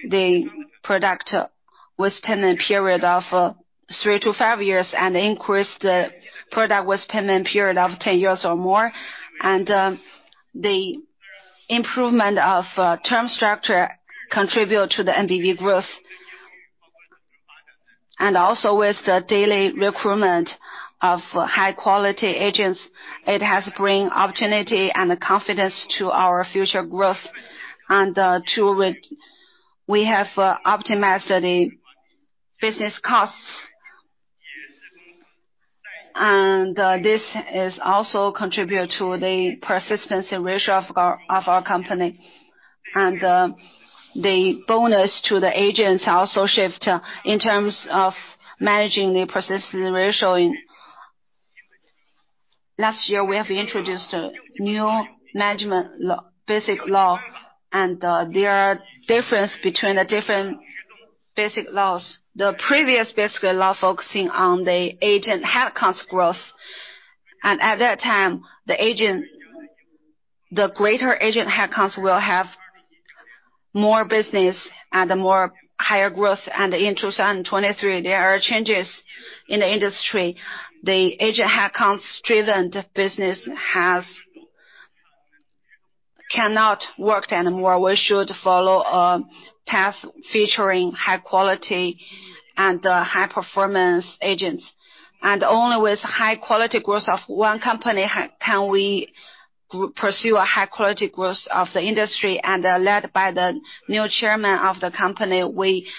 the product with payment period of 3-5 years and increased the product with payment period of 10 years or more. And the improvement of term structure contributes to the MVV growth. And also, with the daily recruitment of high-quality agents, it has brought opportunity and confidence to our future growth. And we have optimized the business costs. And this also contributes to the persistency ratio of our company. And the bonus to the agents also shift in terms of managing the persistency ratio. Last year, we have introduced a new management Basic Law. And there are differences between the different Basic Laws. The previous Basic Law focused on the agent headcounts growth. At that time, the greater agent headcounts will have more business and higher growth. In 2023, there are changes in the industry. The agent headcounts-driven business cannot work. And more, we should follow a path featuring high-quality and high-performance agents. Only with high-quality growth of one company can we pursue a high-quality growth of the industry. Led by the new chairman of the company, we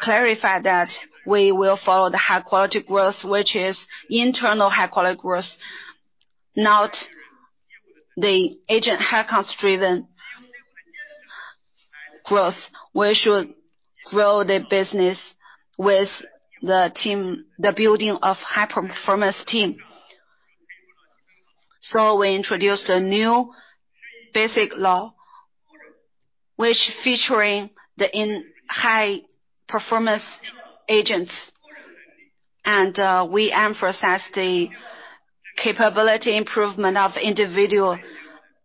clarified that we will follow the high-quality growth, which is internal high-quality growth, not the agent headcounts-driven growth. We should grow the business with the building of a high-performance team. We introduced a new Basic Law, which is featuring the high-performance agents. We emphasized the capability improvement of individual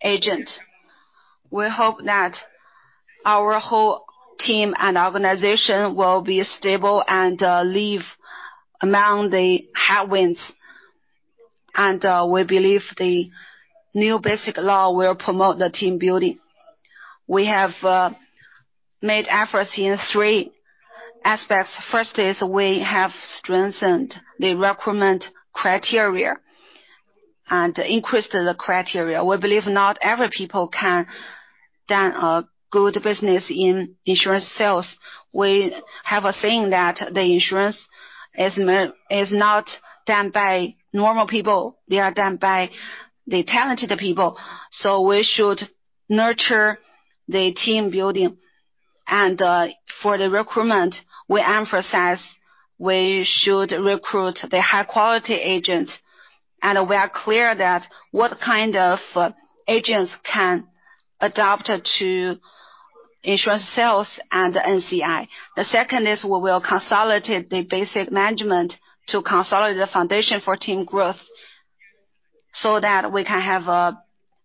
agents. We hope that our whole team and organization will be stable and leave among the headwinds. We believe the new Basic Law will promote the team building. We have made efforts in three aspects. First is we have strengthened the recruitment criteria and increased the criteria. We believe not every people can do good business in insurance sales. We have a saying that the insurance is not done by normal people. They are done by the talented people. So we should nurture the team building. For the recruitment, we emphasize we should recruit the high-quality agents. We are clear that what kind of agents can adapt to insurance sales and NCI. The second is we will consolidate the basic management to consolidate the foundation for team growth so that we can have a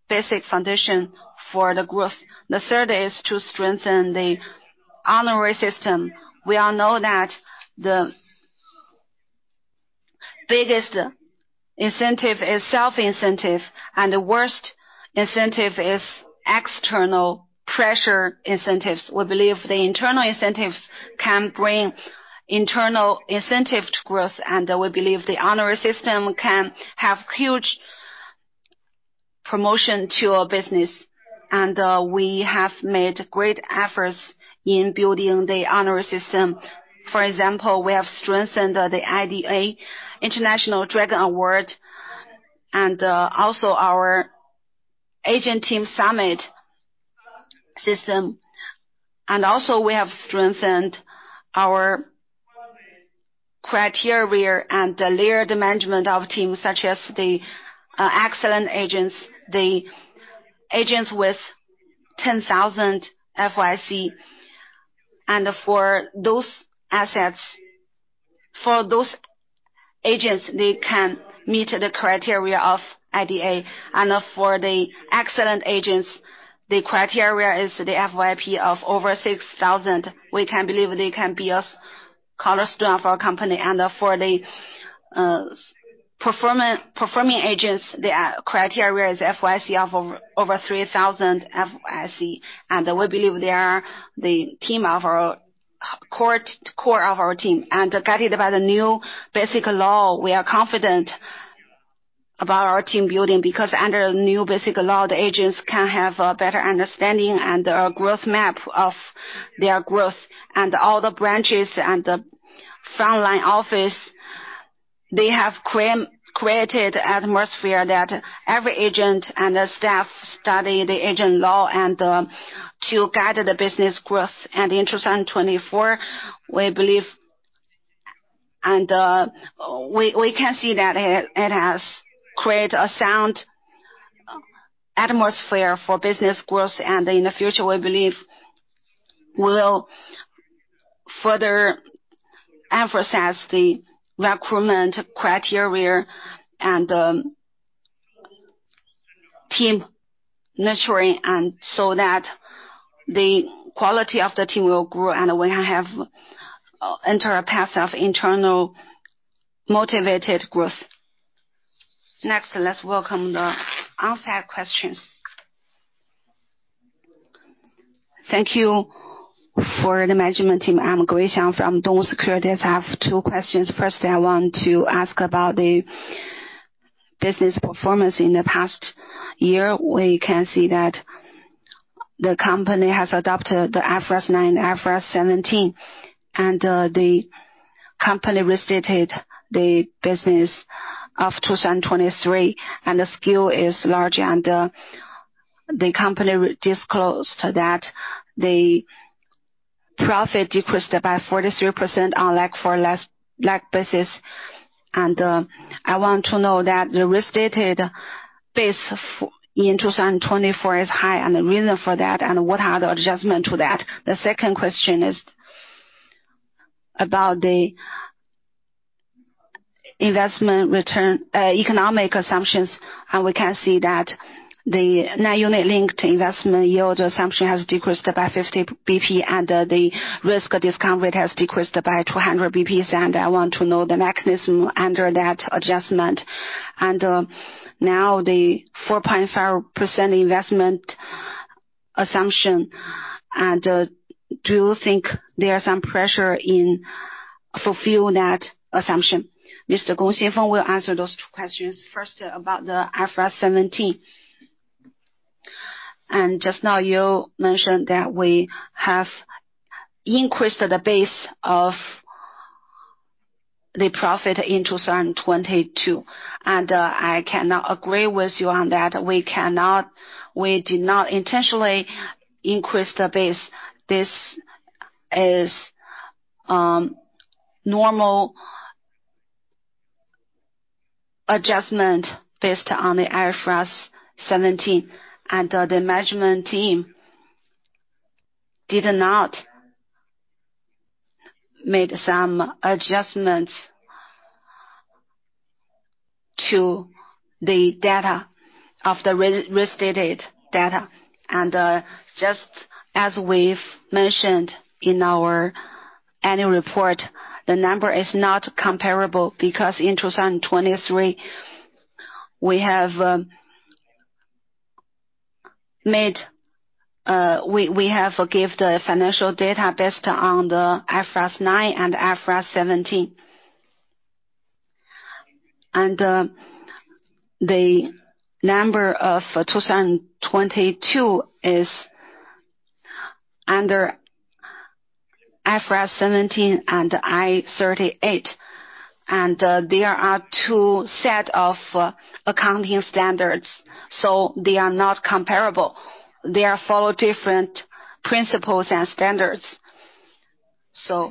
basic foundation for the growth. The third is to strengthen the honorary system. We all know that the biggest incentive is self-incentive. The worst incentive is external pressure incentives. We believe the internal incentives can bring internal incentive to growth. We believe the honorary system can have huge promotion to our business. We have made great efforts in building the honorary system. For example, we have strengthened the IDA, International Dragon Award, and also our Agent Team Summit system. Also, we have strengthened our criteria and the layered management of teams, such as the excellent agents, the agents with 10,000 FYC. For those assets, for those agents, they can meet the criteria of IDA. For the excellent agents, the criteria is the FYP of over 6,000. We can believe they can be a cornerstone of our company. For the performing agents, the criteria is FYC of over 3,000 FYC. We believe they are the core of our team. Guided by the new basic law, we are confident about our team building because under the new basic law, the agents can have a better understanding and a growth map of their growth. All the branches and the frontline office, they have created an atmosphere that every agent and staff study the agent law to guide the business growth. In 2024, we believe and we can see that it has created a sound atmosphere for business growth. In the future, we believe we will further emphasize the recruitment criteria and team nurturing so that the quality of the team will grow and we can enter a path of internal motivated growth. Next, let's welcome the onsite questions. Thank you for the management team. I'm Grace Young from Dong Securities. I have two questions. First, I want to ask about the business performance in the past year. We can see that the company has adopted the IFRS 9 and IFRS 17. The company restated the business of 2023. The scale is larger. The company disclosed that the profit decreased by 43% on a like-for-like basis. I want to know that the restated base in 2024 is high. The reason for that and what are the adjustments to that? The second question is about the economic assumptions. We can see that the non-unit-linked investment yield assumption has decreased by 50 BP. The risk discount rate has decreased by 200 BPs. I want to know the mechanism under that adjustment. Now the 4.5% investment assumption. Do you think there is some pressure in fulfilling that assumption? Mr. Gong Xingfeng will answer those two questions. First, about the IFRS 17. Just now, you mentioned that we have increased the base of the profit in 2022. I cannot agree with you on that. We did not intentionally increase the base. This is a normal adjustment based on the IFRS 17. The management team did not make some adjustments to the restated data. Just as we've mentioned in our annual report, the number is not comparable because in 2023, we have given the financial data based on the IFRS 9 and IFRS 17. And the number of 2022 is under IFRS 17 and IAS 38. And there are two sets of accounting standards. They are not comparable. They follow different principles and standards. For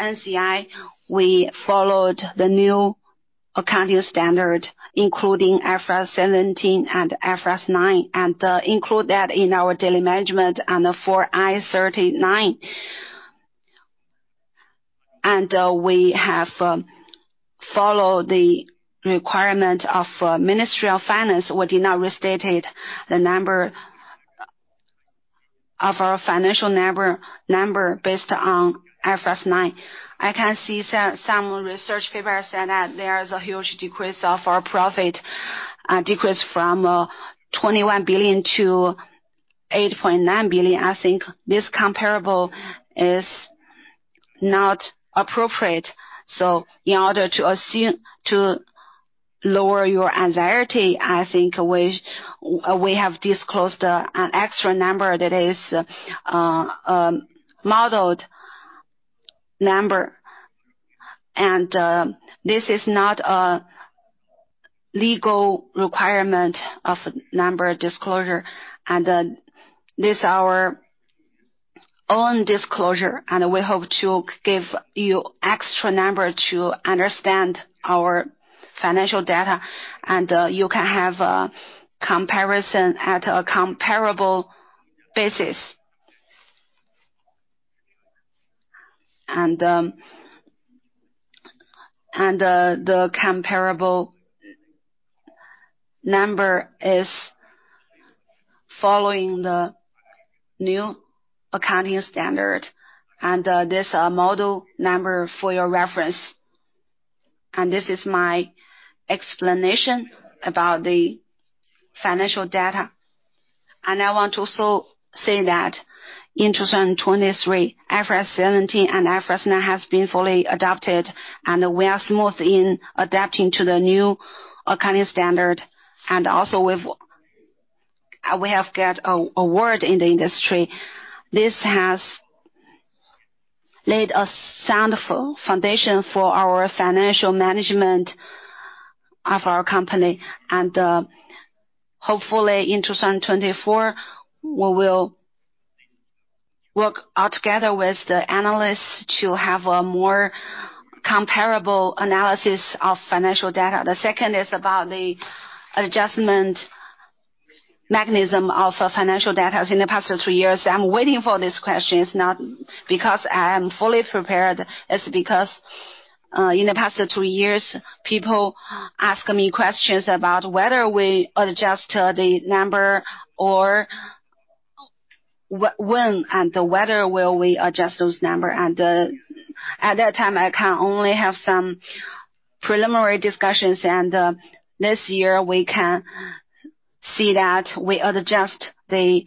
NCI, we followed the new accounting standard, including IFRS 17 and IFRS 9, and included that in our daily management under IAS 39. We have followed the requirement of the Ministry of Finance. We did not restate the number of our financial number based on IFRS 9. I can see some research papers say that there is a huge decrease of our profit, a decrease from 21 billion to 8.9 billion. I think this comparable is not appropriate. So in order to lower your anxiety, I think we have disclosed an extra number that is a modeled number. This is not a legal requirement of number disclosure. This is our own disclosure. We hope to give you an extra number to understand our financial data. You can have a comparison at a comparable basis. The comparable number is following the new accounting standard. This is a model number for your reference. This is my explanation about the financial data. I want to also say that in 2023, IFRS 17 and IFRS 9 have been fully adopted. We are smooth in adapting to the new accounting standard. Also, we have got a word in the industry. This has laid a sound foundation for our financial management of our company. Hopefully, in 2024, we will work together with the analysts to have a more comparable analysis of financial data. The second is about the adjustment mechanism of financial data in the past two years. I'm waiting for this question. It's not because I am fully prepared. It's because in the past two years, people ask me questions about whether we adjust the number or when and whether will we adjust those numbers. At that time, I can only have some preliminary discussions. This year, we can see that we adjust the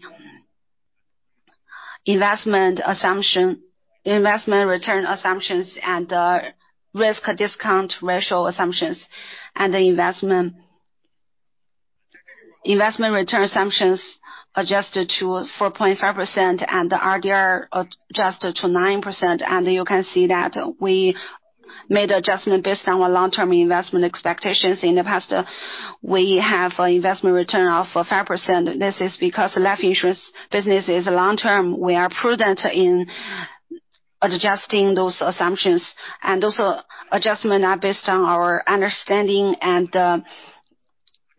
investment return assumptions and the risk discount rate assumptions. The investment return assumptions adjusted to 4.5%. The RDR adjusted to 9%. You can see that we made adjustments based on our long-term investment expectations. In the past, we have an investment return of 5%. This is because life insurance business is long-term. We are prudent in adjusting those assumptions. Those adjustments are based on our understanding and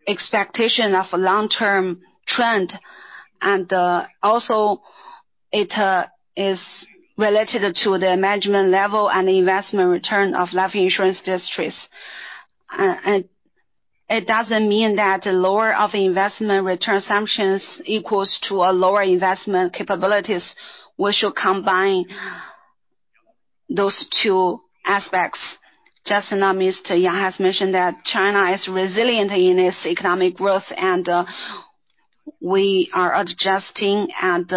expectation of a long-term trend. Also, it is related to the management level and the investment return of life insurance industries. It doesn't mean that the lower of investment return assumptions equals to a lower investment capabilities. We should combine those two aspects. Just now, Mr. Young has mentioned that China is resilient in its economic growth. We are adjusting and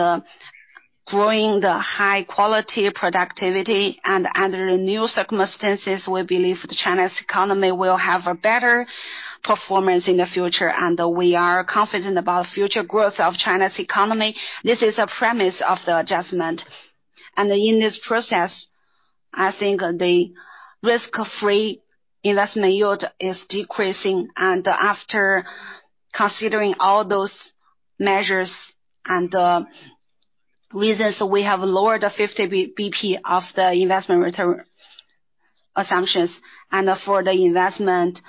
growing the high-quality productivity. Under the new circumstances, we believe China's economy will have a better performance in the future. We are confident about the future growth of China's economy. This is a premise of the adjustment. In this process, I think the risk-free investment yield is decreasing. After considering all those measures and reasons, we have lowered 50 BP of the investment return assumptions. For the investment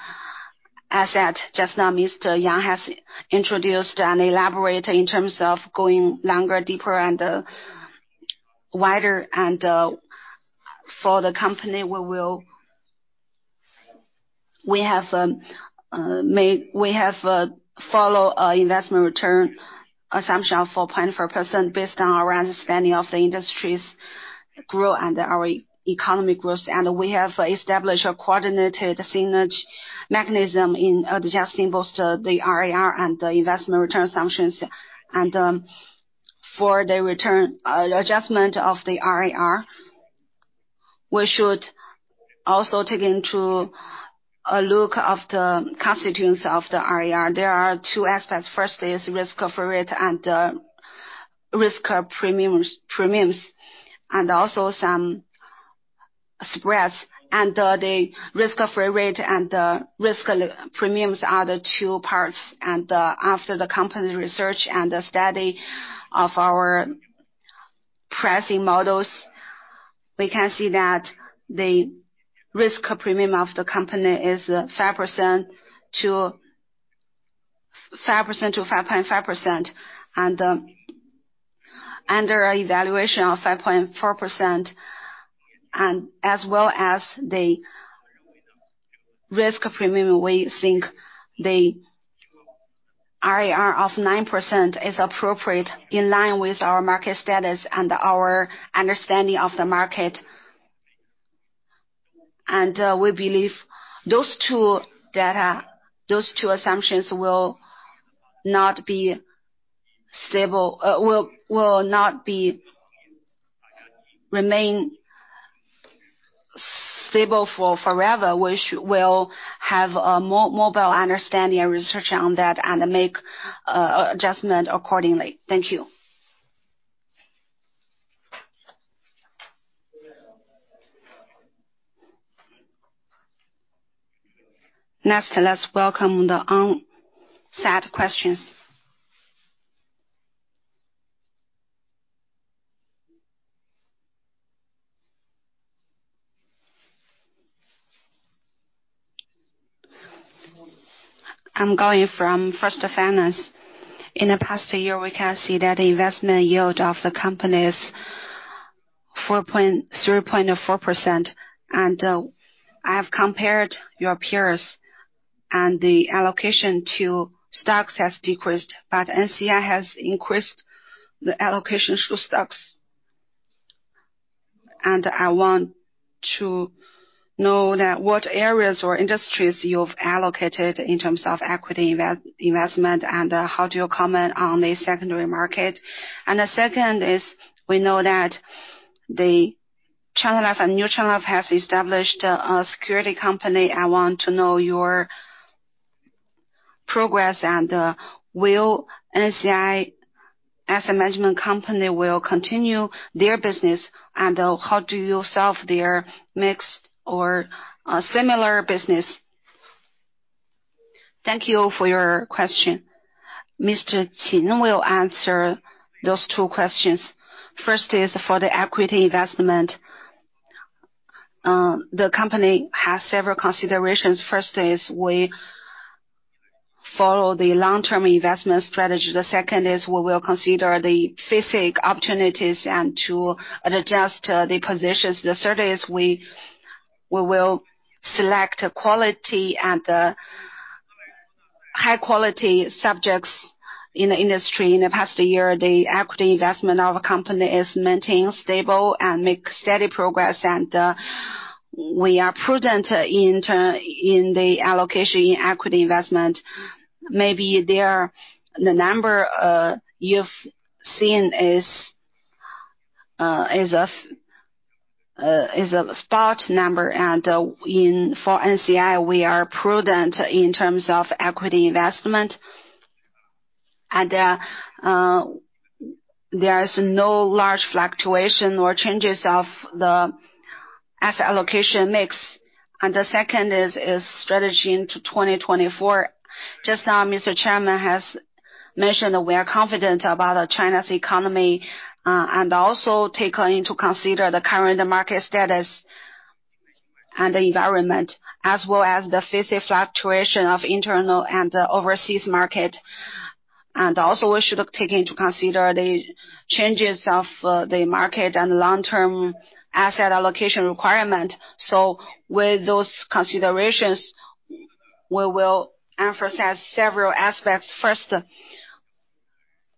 asset, just now, Mr. Young has introduced an elaborate in terms of going longer, deeper, and wider. For the company, we have followed an investment return assumption of 4.5% based on our understanding of the industries' growth and our economic growth. We have established a coordinated synergy mechanism in adjusting both the RAR and the investment return assumptions. For the adjustment of the RAR, we should also take into a look at the constituents of the RAR. There are two aspects. First is risk-free rate and risk premiums and also some spreads. The risk-free rate and the risk premiums are the two parts. After the company research and the study of our pricing models, we can see that the risk premium of the company is 5%-5.5%. Under an evaluation of 5.4% as well as the risk premium, we think the RAR of 9% is appropriate in line with our market status and our understanding of the market. We believe those two assumptions will not be stable will not remain stable forever. We will have a more mobile understanding and research on that and make adjustments accordingly. Thank you. Next, let's welcome the on-site questions. I'm going from First Finance. In the past year, we can see that the investment yield of the company is 3.04%. I have compared your peers. The allocation to stocks has decreased. But NCI has increased the allocation to stocks. I want to know what areas or industries you've allocated in terms of equity investment. How do you comment on the secondary market? The second is we know that China Life and New China Life has established a securities company. I want to know your progress. Will NCI, as a management company, continue their business? How do you solve their mixed or similar business? Thank you for your question. Mr. Xing will answer those two questions. First is for the equity investment. The company has several considerations. First is we follow the long-term investment strategy. The second is we will consider the specific opportunities and to adjust the positions. The third is we will select high-quality subjects in the industry. In the past year, the equity investment of the company is maintained stable and makes steady progress. We are prudent in the allocation in equity investment. Maybe the number you've seen is a spot number. For NCI, we are prudent in terms of equity investment. There is no large fluctuation or changes as allocation mix. The second is strategy into 2024. Just now, Mr. Chairman has mentioned that we are confident about China's economy and also taking into consideration the current market status and the environment as well as the specific fluctuation of internal and overseas market. We should also take into consideration the changes of the market and long-term asset allocation requirement. So with those considerations, we will emphasize several aspects. First,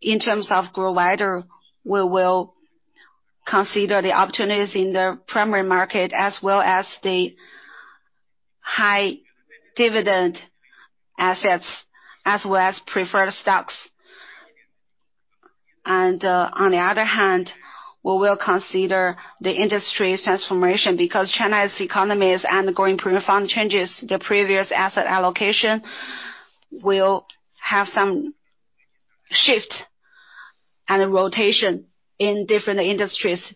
in terms of growth rider, we will consider the opportunities in the primary market as well as the high-dividend assets as well as preferred stocks. On the other hand, we will consider the industry transformation because China's economy is undergoing profound changes. The previous asset allocation will have some shift and rotation in different industries.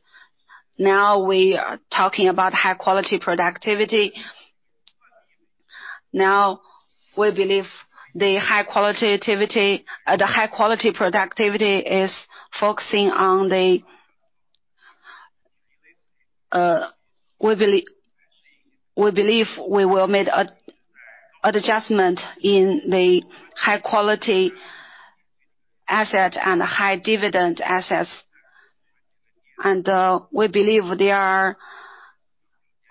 Now, we are talking about high-quality productivity. Now, we believe the high-quality productivity is focusing on the we believe we will make an adjustment in the high-quality asset and high-dividend assets. We believe they are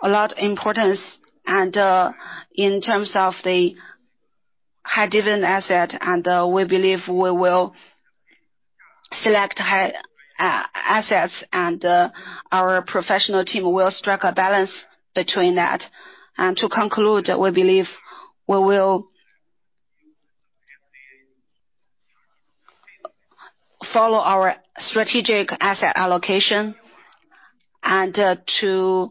a lot of importance. In terms of the high-dividend asset, we believe we will select assets. And our professional team will strike a balance between that. To conclude, we believe we will follow our strategic asset allocation and to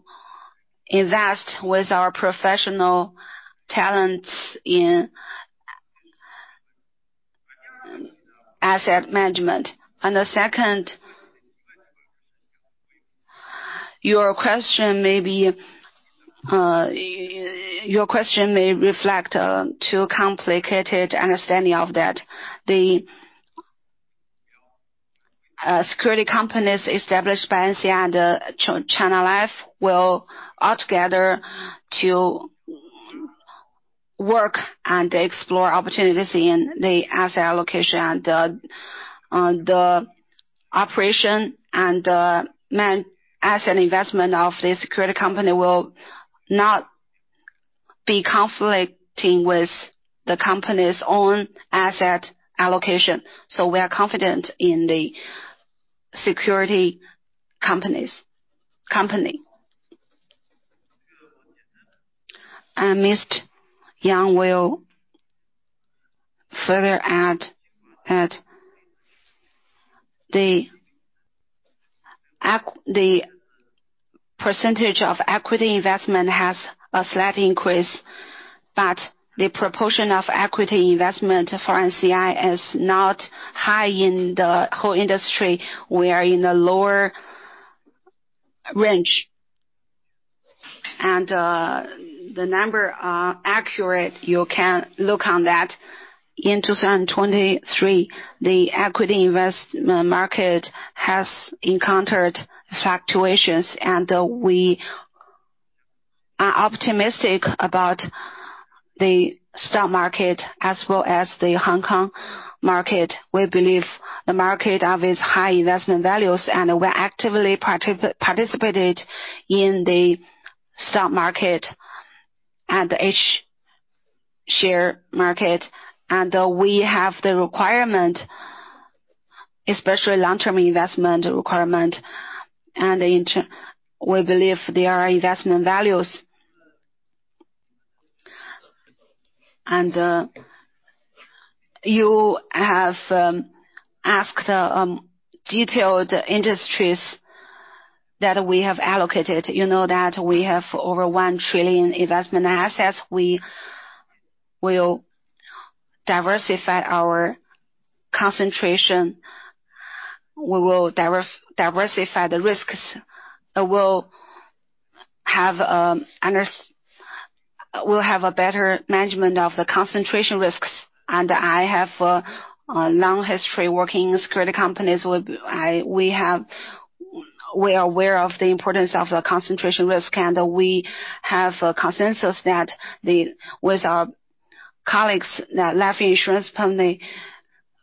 invest with our professional talents in asset management. And the second, your question may reflect a too complicated understanding of that. The security companies established by NCI and China Life will altogether work and explore opportunities in the asset allocation. The operation and asset investment of the security company will not be conflicting with the company's own asset allocation. So we are confident in the security company. Mr. Young will further add that the percentage of equity investment has a slight increase. But the proportion of equity investment for NCI is not high in the whole industry. We are in the lower range. And the number accurate, you can look on that. In 2023, the equity investment market has encountered fluctuations. We are optimistic about the stock market as well as the Hong Kong market. We believe the market is high investment values. We actively participated in the stock market and the share market. We have the requirement, especially long-term investment requirement. We believe there are investment values. You have asked detailed industries that we have allocated. You know that we have over 1 trillion investment assets. We will diversify our concentration. We will diversify the risks. We'll have a better management of the concentration risks. I have a long history working in securities companies. We are aware of the importance of the concentration risk. We have a consensus that with our colleagues, that life insurance company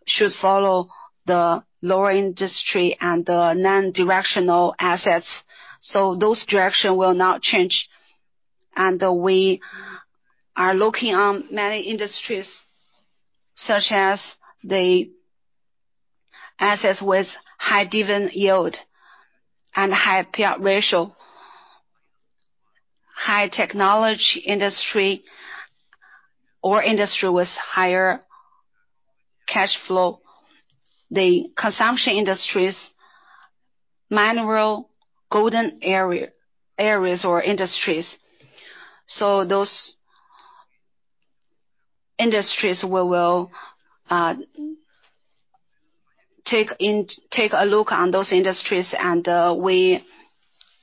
should follow the lower industry and the non-standard assets. So those directions will not change. We are looking on many industries such as the assets with high dividend yield and high payout ratio, high technology industry or industry with higher cash flow, the consumption industries, minerals, gold, energy areas or industries. So those industries, we will take a look on those industries. We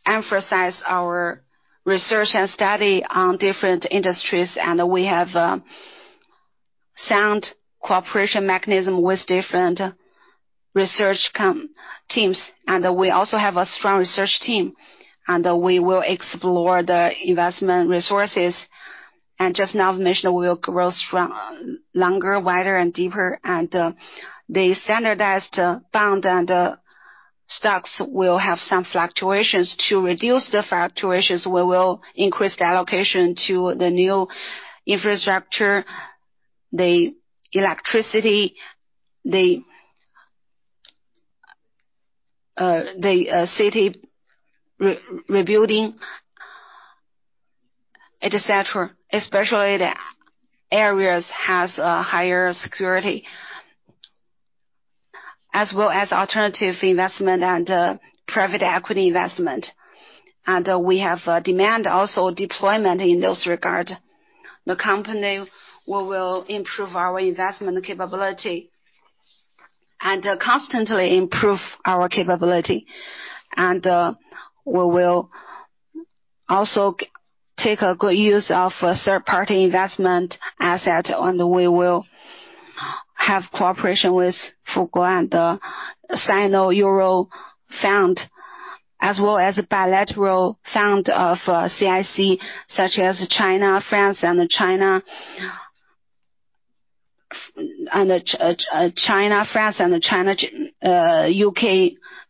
emphasize our research and study on different industries. We have a sound cooperation mechanism with different research teams. We also have a strong research team. We will explore the investment resources. Just now, I've mentioned we will grow strong, longer, wider, and deeper. The standardized bond and stocks will have some fluctuations. To reduce the fluctuations, we will increase the allocation to the new infrastructure, the electricity, the city rebuilding, etc., especially the areas that have higher security as well as alternative investment and private equity investment. We have demand also deployment in those regards. The company, we will improve our investment capability and constantly improve our capability. We will also take good use of third-party investment assets. We will have cooperation with Fu Guo and the Sino-Euro Fund as well as a bilateral fund of CIC such as the China-France and the China-UK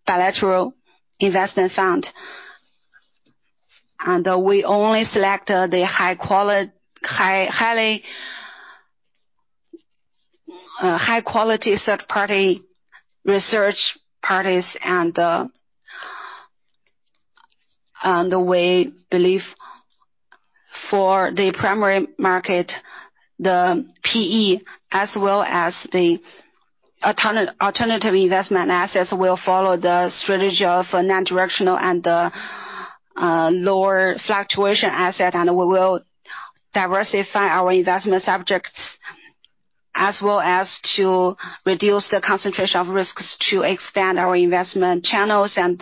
bilateral investment funds. We only select the high-quality third-party research partners. We believe for the primary market, the PE as well as the alternative investment assets will follow the strategy of non-directional and the lower fluctuation assets. We will diversify our investment subjects as well as to reduce the concentration of risks to expand our investment channels and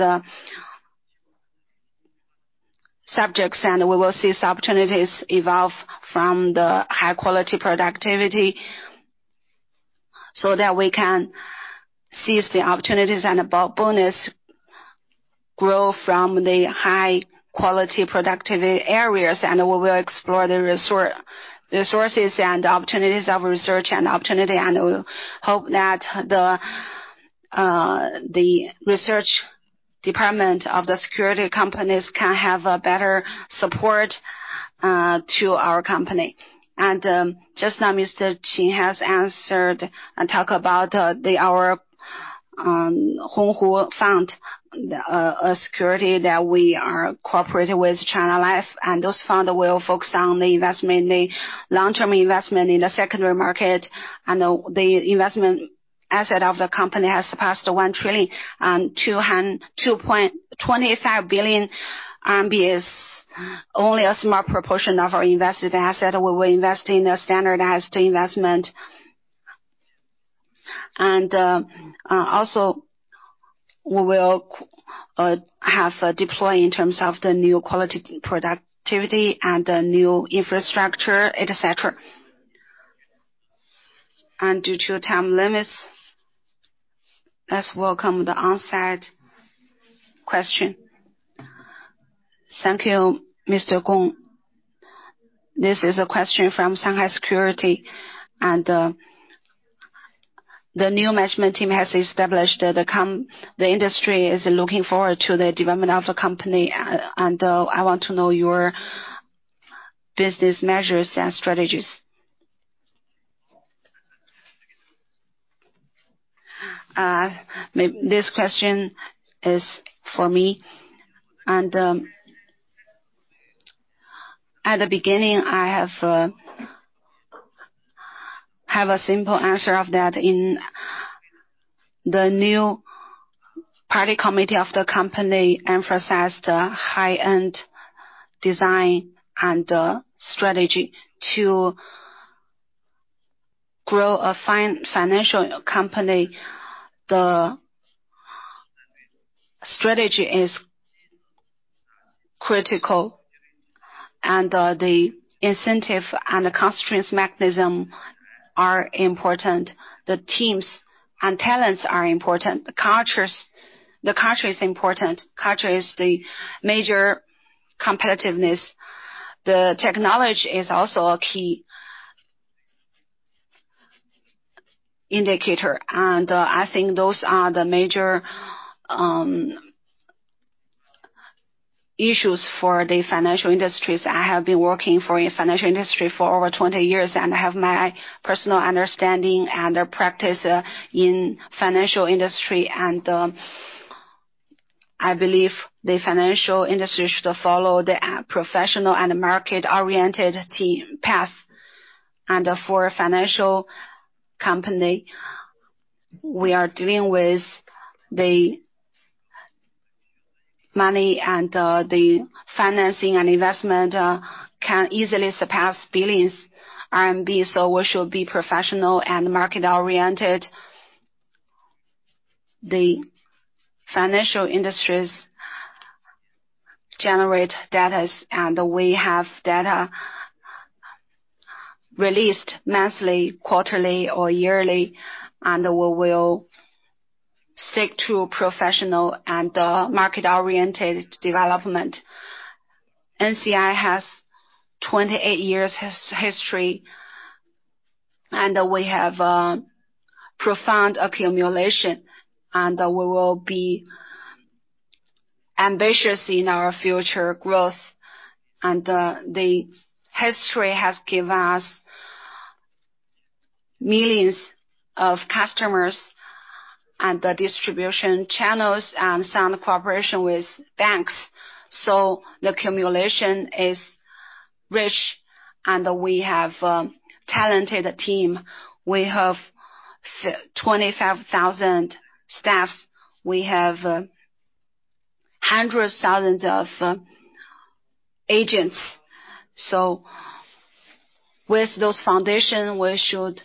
subjects. We will see opportunities evolve from the high-quality productivity so that we can seize the opportunities and the growth bonus from the high-quality productivity areas. We will explore the resources and opportunities of research and opportunities. We hope that the research department of the securities companies can have better support to our company. Just now, Mr. Gong has answered and talked about our Honghu Fund, a security that we are cooperating with China Life. Those funds will focus on the long-term investment in the secondary market. The investment asset of the company has surpassed 1,002.25 billion RMB, which is only a small proportion of our invested asset. We will invest in a standardized investment. Also, we will have deployed in terms of the new quality productivity and the new infrastructure, etc. Due to time limits, let's welcome the on-site question. Thank you, Mr. Gong. This is a question from Shanghai Securities. The new management team has established the industry is looking forward to the development of the company. I want to know your business measures and strategies. This question is for me. At the beginning, I have a simple answer of that. The new party committee of the company emphasized high-end design and strategy to grow a fine financial company. The strategy is critical. The incentive and constraints mechanism are important. The teams and talents are important. The culture is important. Culture is the major competitiveness. The technology is also a key indicator. I think those are the major issues for the financial industries. I have been working for a financial industry for over 20 years. I have my personal understanding and practice in financial industry. I believe the financial industry should follow the professional and market-oriented path. For a financial company, we are dealing with the money and the financing and investment can easily surpass billions RMB. So we should be professional and market-oriented. The financial industries generate data. We have data released monthly, quarterly, or yearly. We will stick to professional and market-oriented development. NCI has 28 years' history. We have profound accumulation. We will be ambitious in our future growth. The history has given us millions of customers and the distribution channels and sound cooperation with banks. The accumulation is rich. We have a talented team. We have 25,000 staffs. We have hundreds of thousands of agents. With those foundations, we should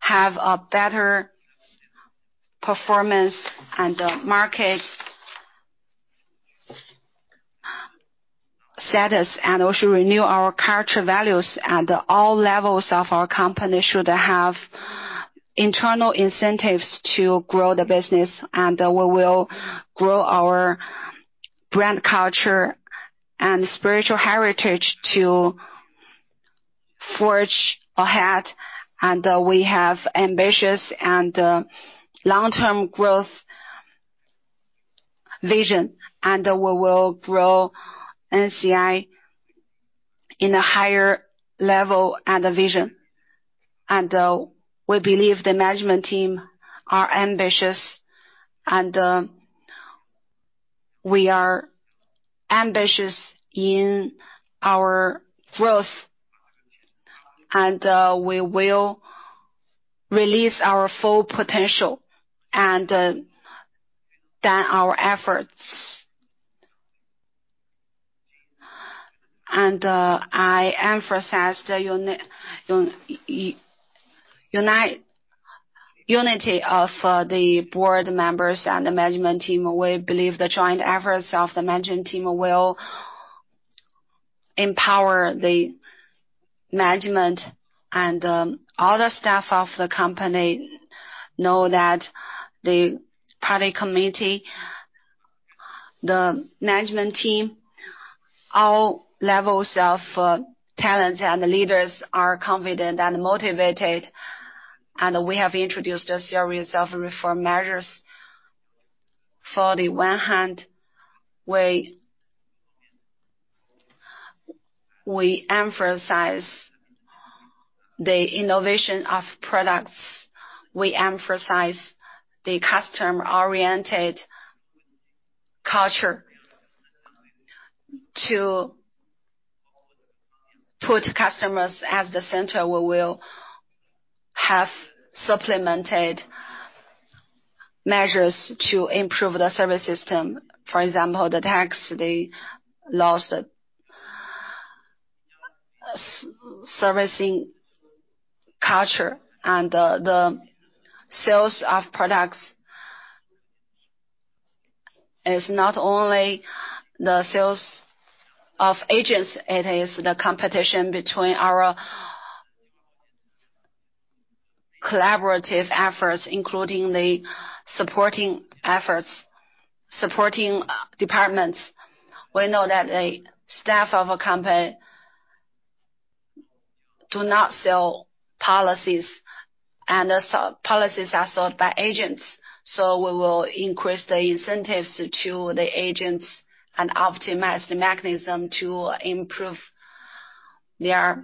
have a better performance and market status. We should renew our culture values. All levels of our company should have internal incentives to grow the business. We will grow our brand culture and spiritual heritage to forge ahead. We have ambitious and long-term growth vision. We will grow NCI in a higher level and vision. We believe the management team are ambitious. We are ambitious in our growth. We will release our full potential and devote our efforts. I emphasized the unity of the board members and the management team. We believe the joint efforts of the management team will empower the management. All the staff of the company know that the party committee, the management team, all levels of talents and leaders are confident and motivated. We have introduced a series of reform measures. On the one hand, we emphasize the innovation of products. We emphasize the customer-oriented culture to put customers at the center. We will have supplemented measures to improve the service system. For example, the contactless servicing culture. The sales of products is not only the sales of agents. It is the competition between our collaborative efforts, including the supporting departments. We know that the staff of a company do not sell policies. Policies are sold by agents. So we will increase the incentives to the agents and optimize the mechanism to improve their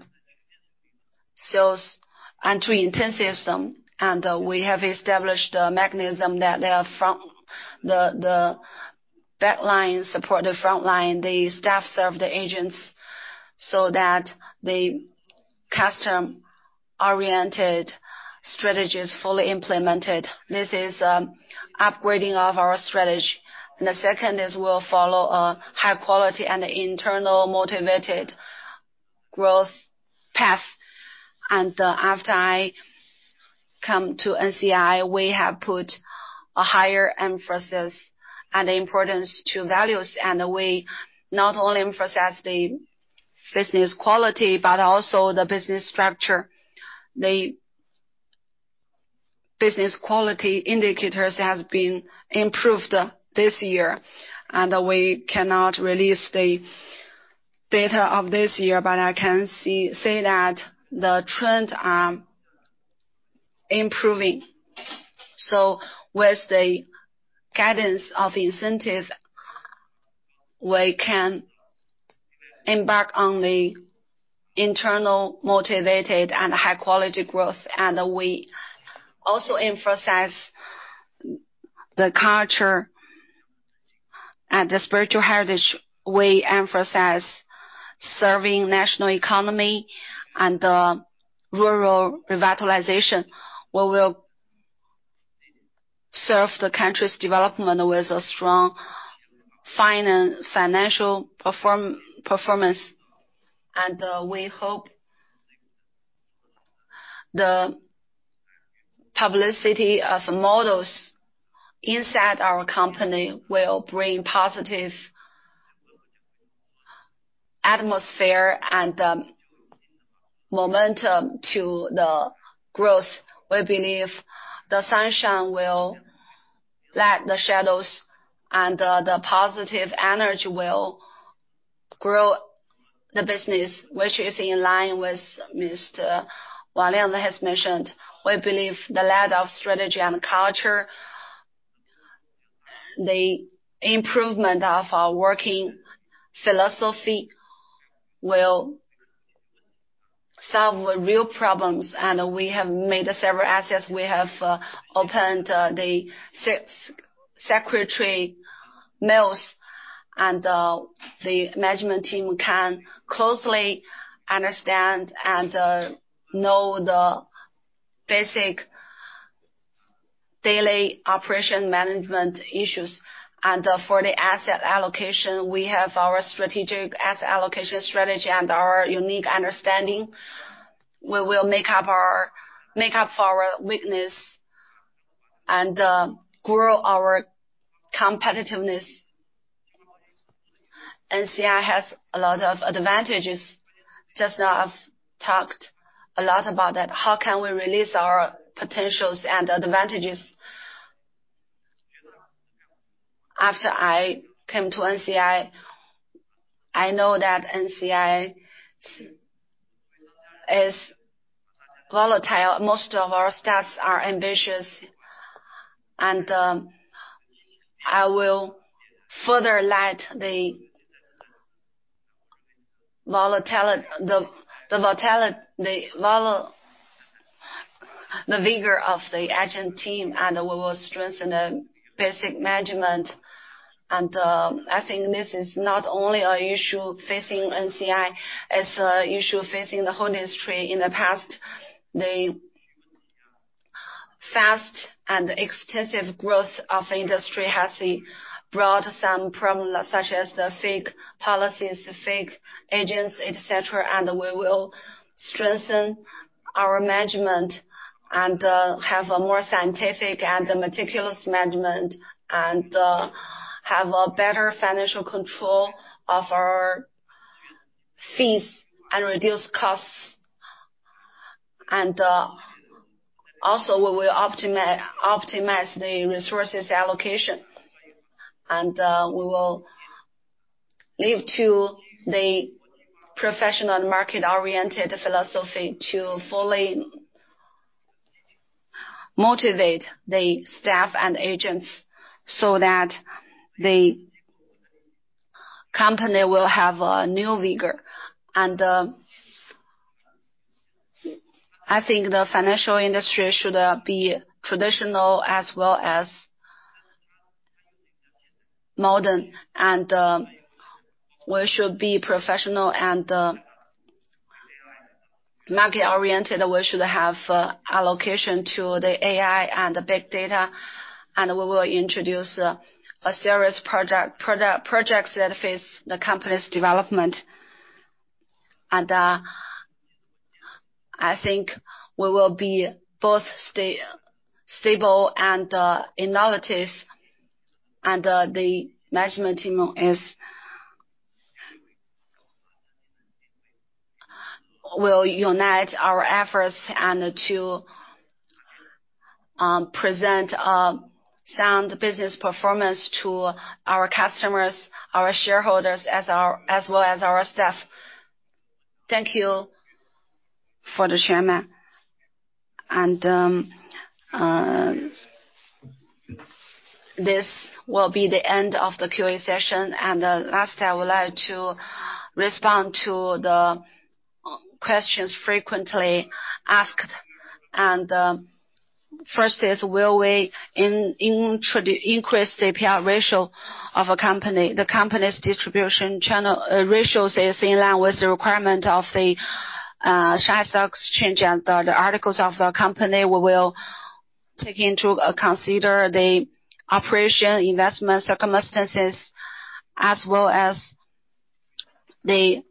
sales and to intensify them. And we have established the mechanism that they are from the backline support, the frontline. The staff serve the agents so that the customer-oriented strategy is fully implemented. This is an upgrade of our strategy. The second is we'll follow a high-quality and internally motivated growth path. After I come to NCI, we have put a higher emphasis and importance to value. We not only emphasize the business quality but also the business structure. The business quality indicators have been improved this year. We cannot release the data of this year. But I can say that the trends are improving. So with the guidance of incentives, we can embark on the internally motivated and high-quality growth. We also emphasize the culture and the spiritual heritage. We emphasize serving the national economy and the rural revitalization. We will serve the country's development with a strong financial performance. We hope the publicity of models inside our company will bring positive atmosphere and momentum to the growth. We believe the sunshine will let the shadows and the positive energy will grow the business, which is in line with Mr. Wang Lianwen that has mentioned. We believe the lack of strategy and culture, the improvement of our working philosophy will solve real problems. We have made several assets. We have opened the secretary mills. The management team can closely understand and know the basic daily operation management issues. For the asset allocation, we have our strategic asset allocation strategy and our unique understanding. We will make up for our weakness and grow our competitiveness. NCI has a lot of advantages. Just now, I've talked a lot about that. How can we release our potentials and advantages? After I came to NCI, I know that NCI is volatile. Most of our staffs are ambitious. I will further light the vigor of the agent team. We will strengthen the basic management. I think this is not only an issue facing NCI. It's an issue facing the whole industry. In the past, the fast and extensive growth of the industry has brought some problems such as the fake policies, fake agents, etc. We will strengthen our management and have a more scientific and meticulous management and have better financial control of our fees and reduce costs. Also, we will optimize the resource allocation. We will leave to the professional and market-oriented philosophy to fully motivate the staff and agents so that the company will have new vigor. I think the financial industry should be traditional as well as modern. We should be professional and market-oriented. We should have allocation to the AI and the big data. We will introduce serious projects that face the company's development. I think we will be both stable and innovative. The management team will unite our efforts to present sound business performance to our customers, our shareholders, as well as our staff. Thank you for the Chairman. This will be the end of the QA session. Last, I would like to respond to the questions frequently asked. First is, will we increase the PR ratio of the company's distribution channel ratios? It's in line with the requirement of the Shanghai Stock Exchange. The articles of the company, we will take into consideration the operation, investment circumstances, as well as the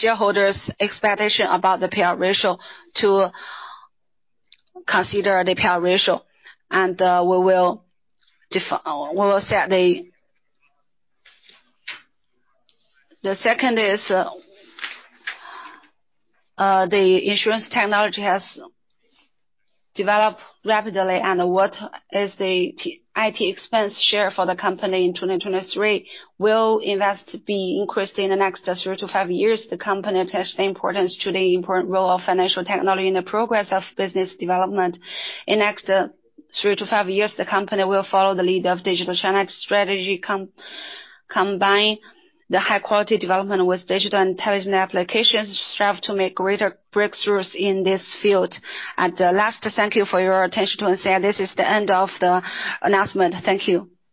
shareholders' expectations about the PR ratio to consider the PR ratio. We will set. The second is the insurance technology has developed rapidly. What is the IT expense share for the company in 2023? Will investment be increased in the next 3-5 years? The company attaches importance to the important role of financial technology in the progress of business development. In the next 3-5 years, the company will follow the lead of digital channel strategy, combine the high-quality development with digital intelligent applications, strive to make greater breakthroughs in this field. Last, thank you for your attention to NCI. This is the end of the announcement. Thank you.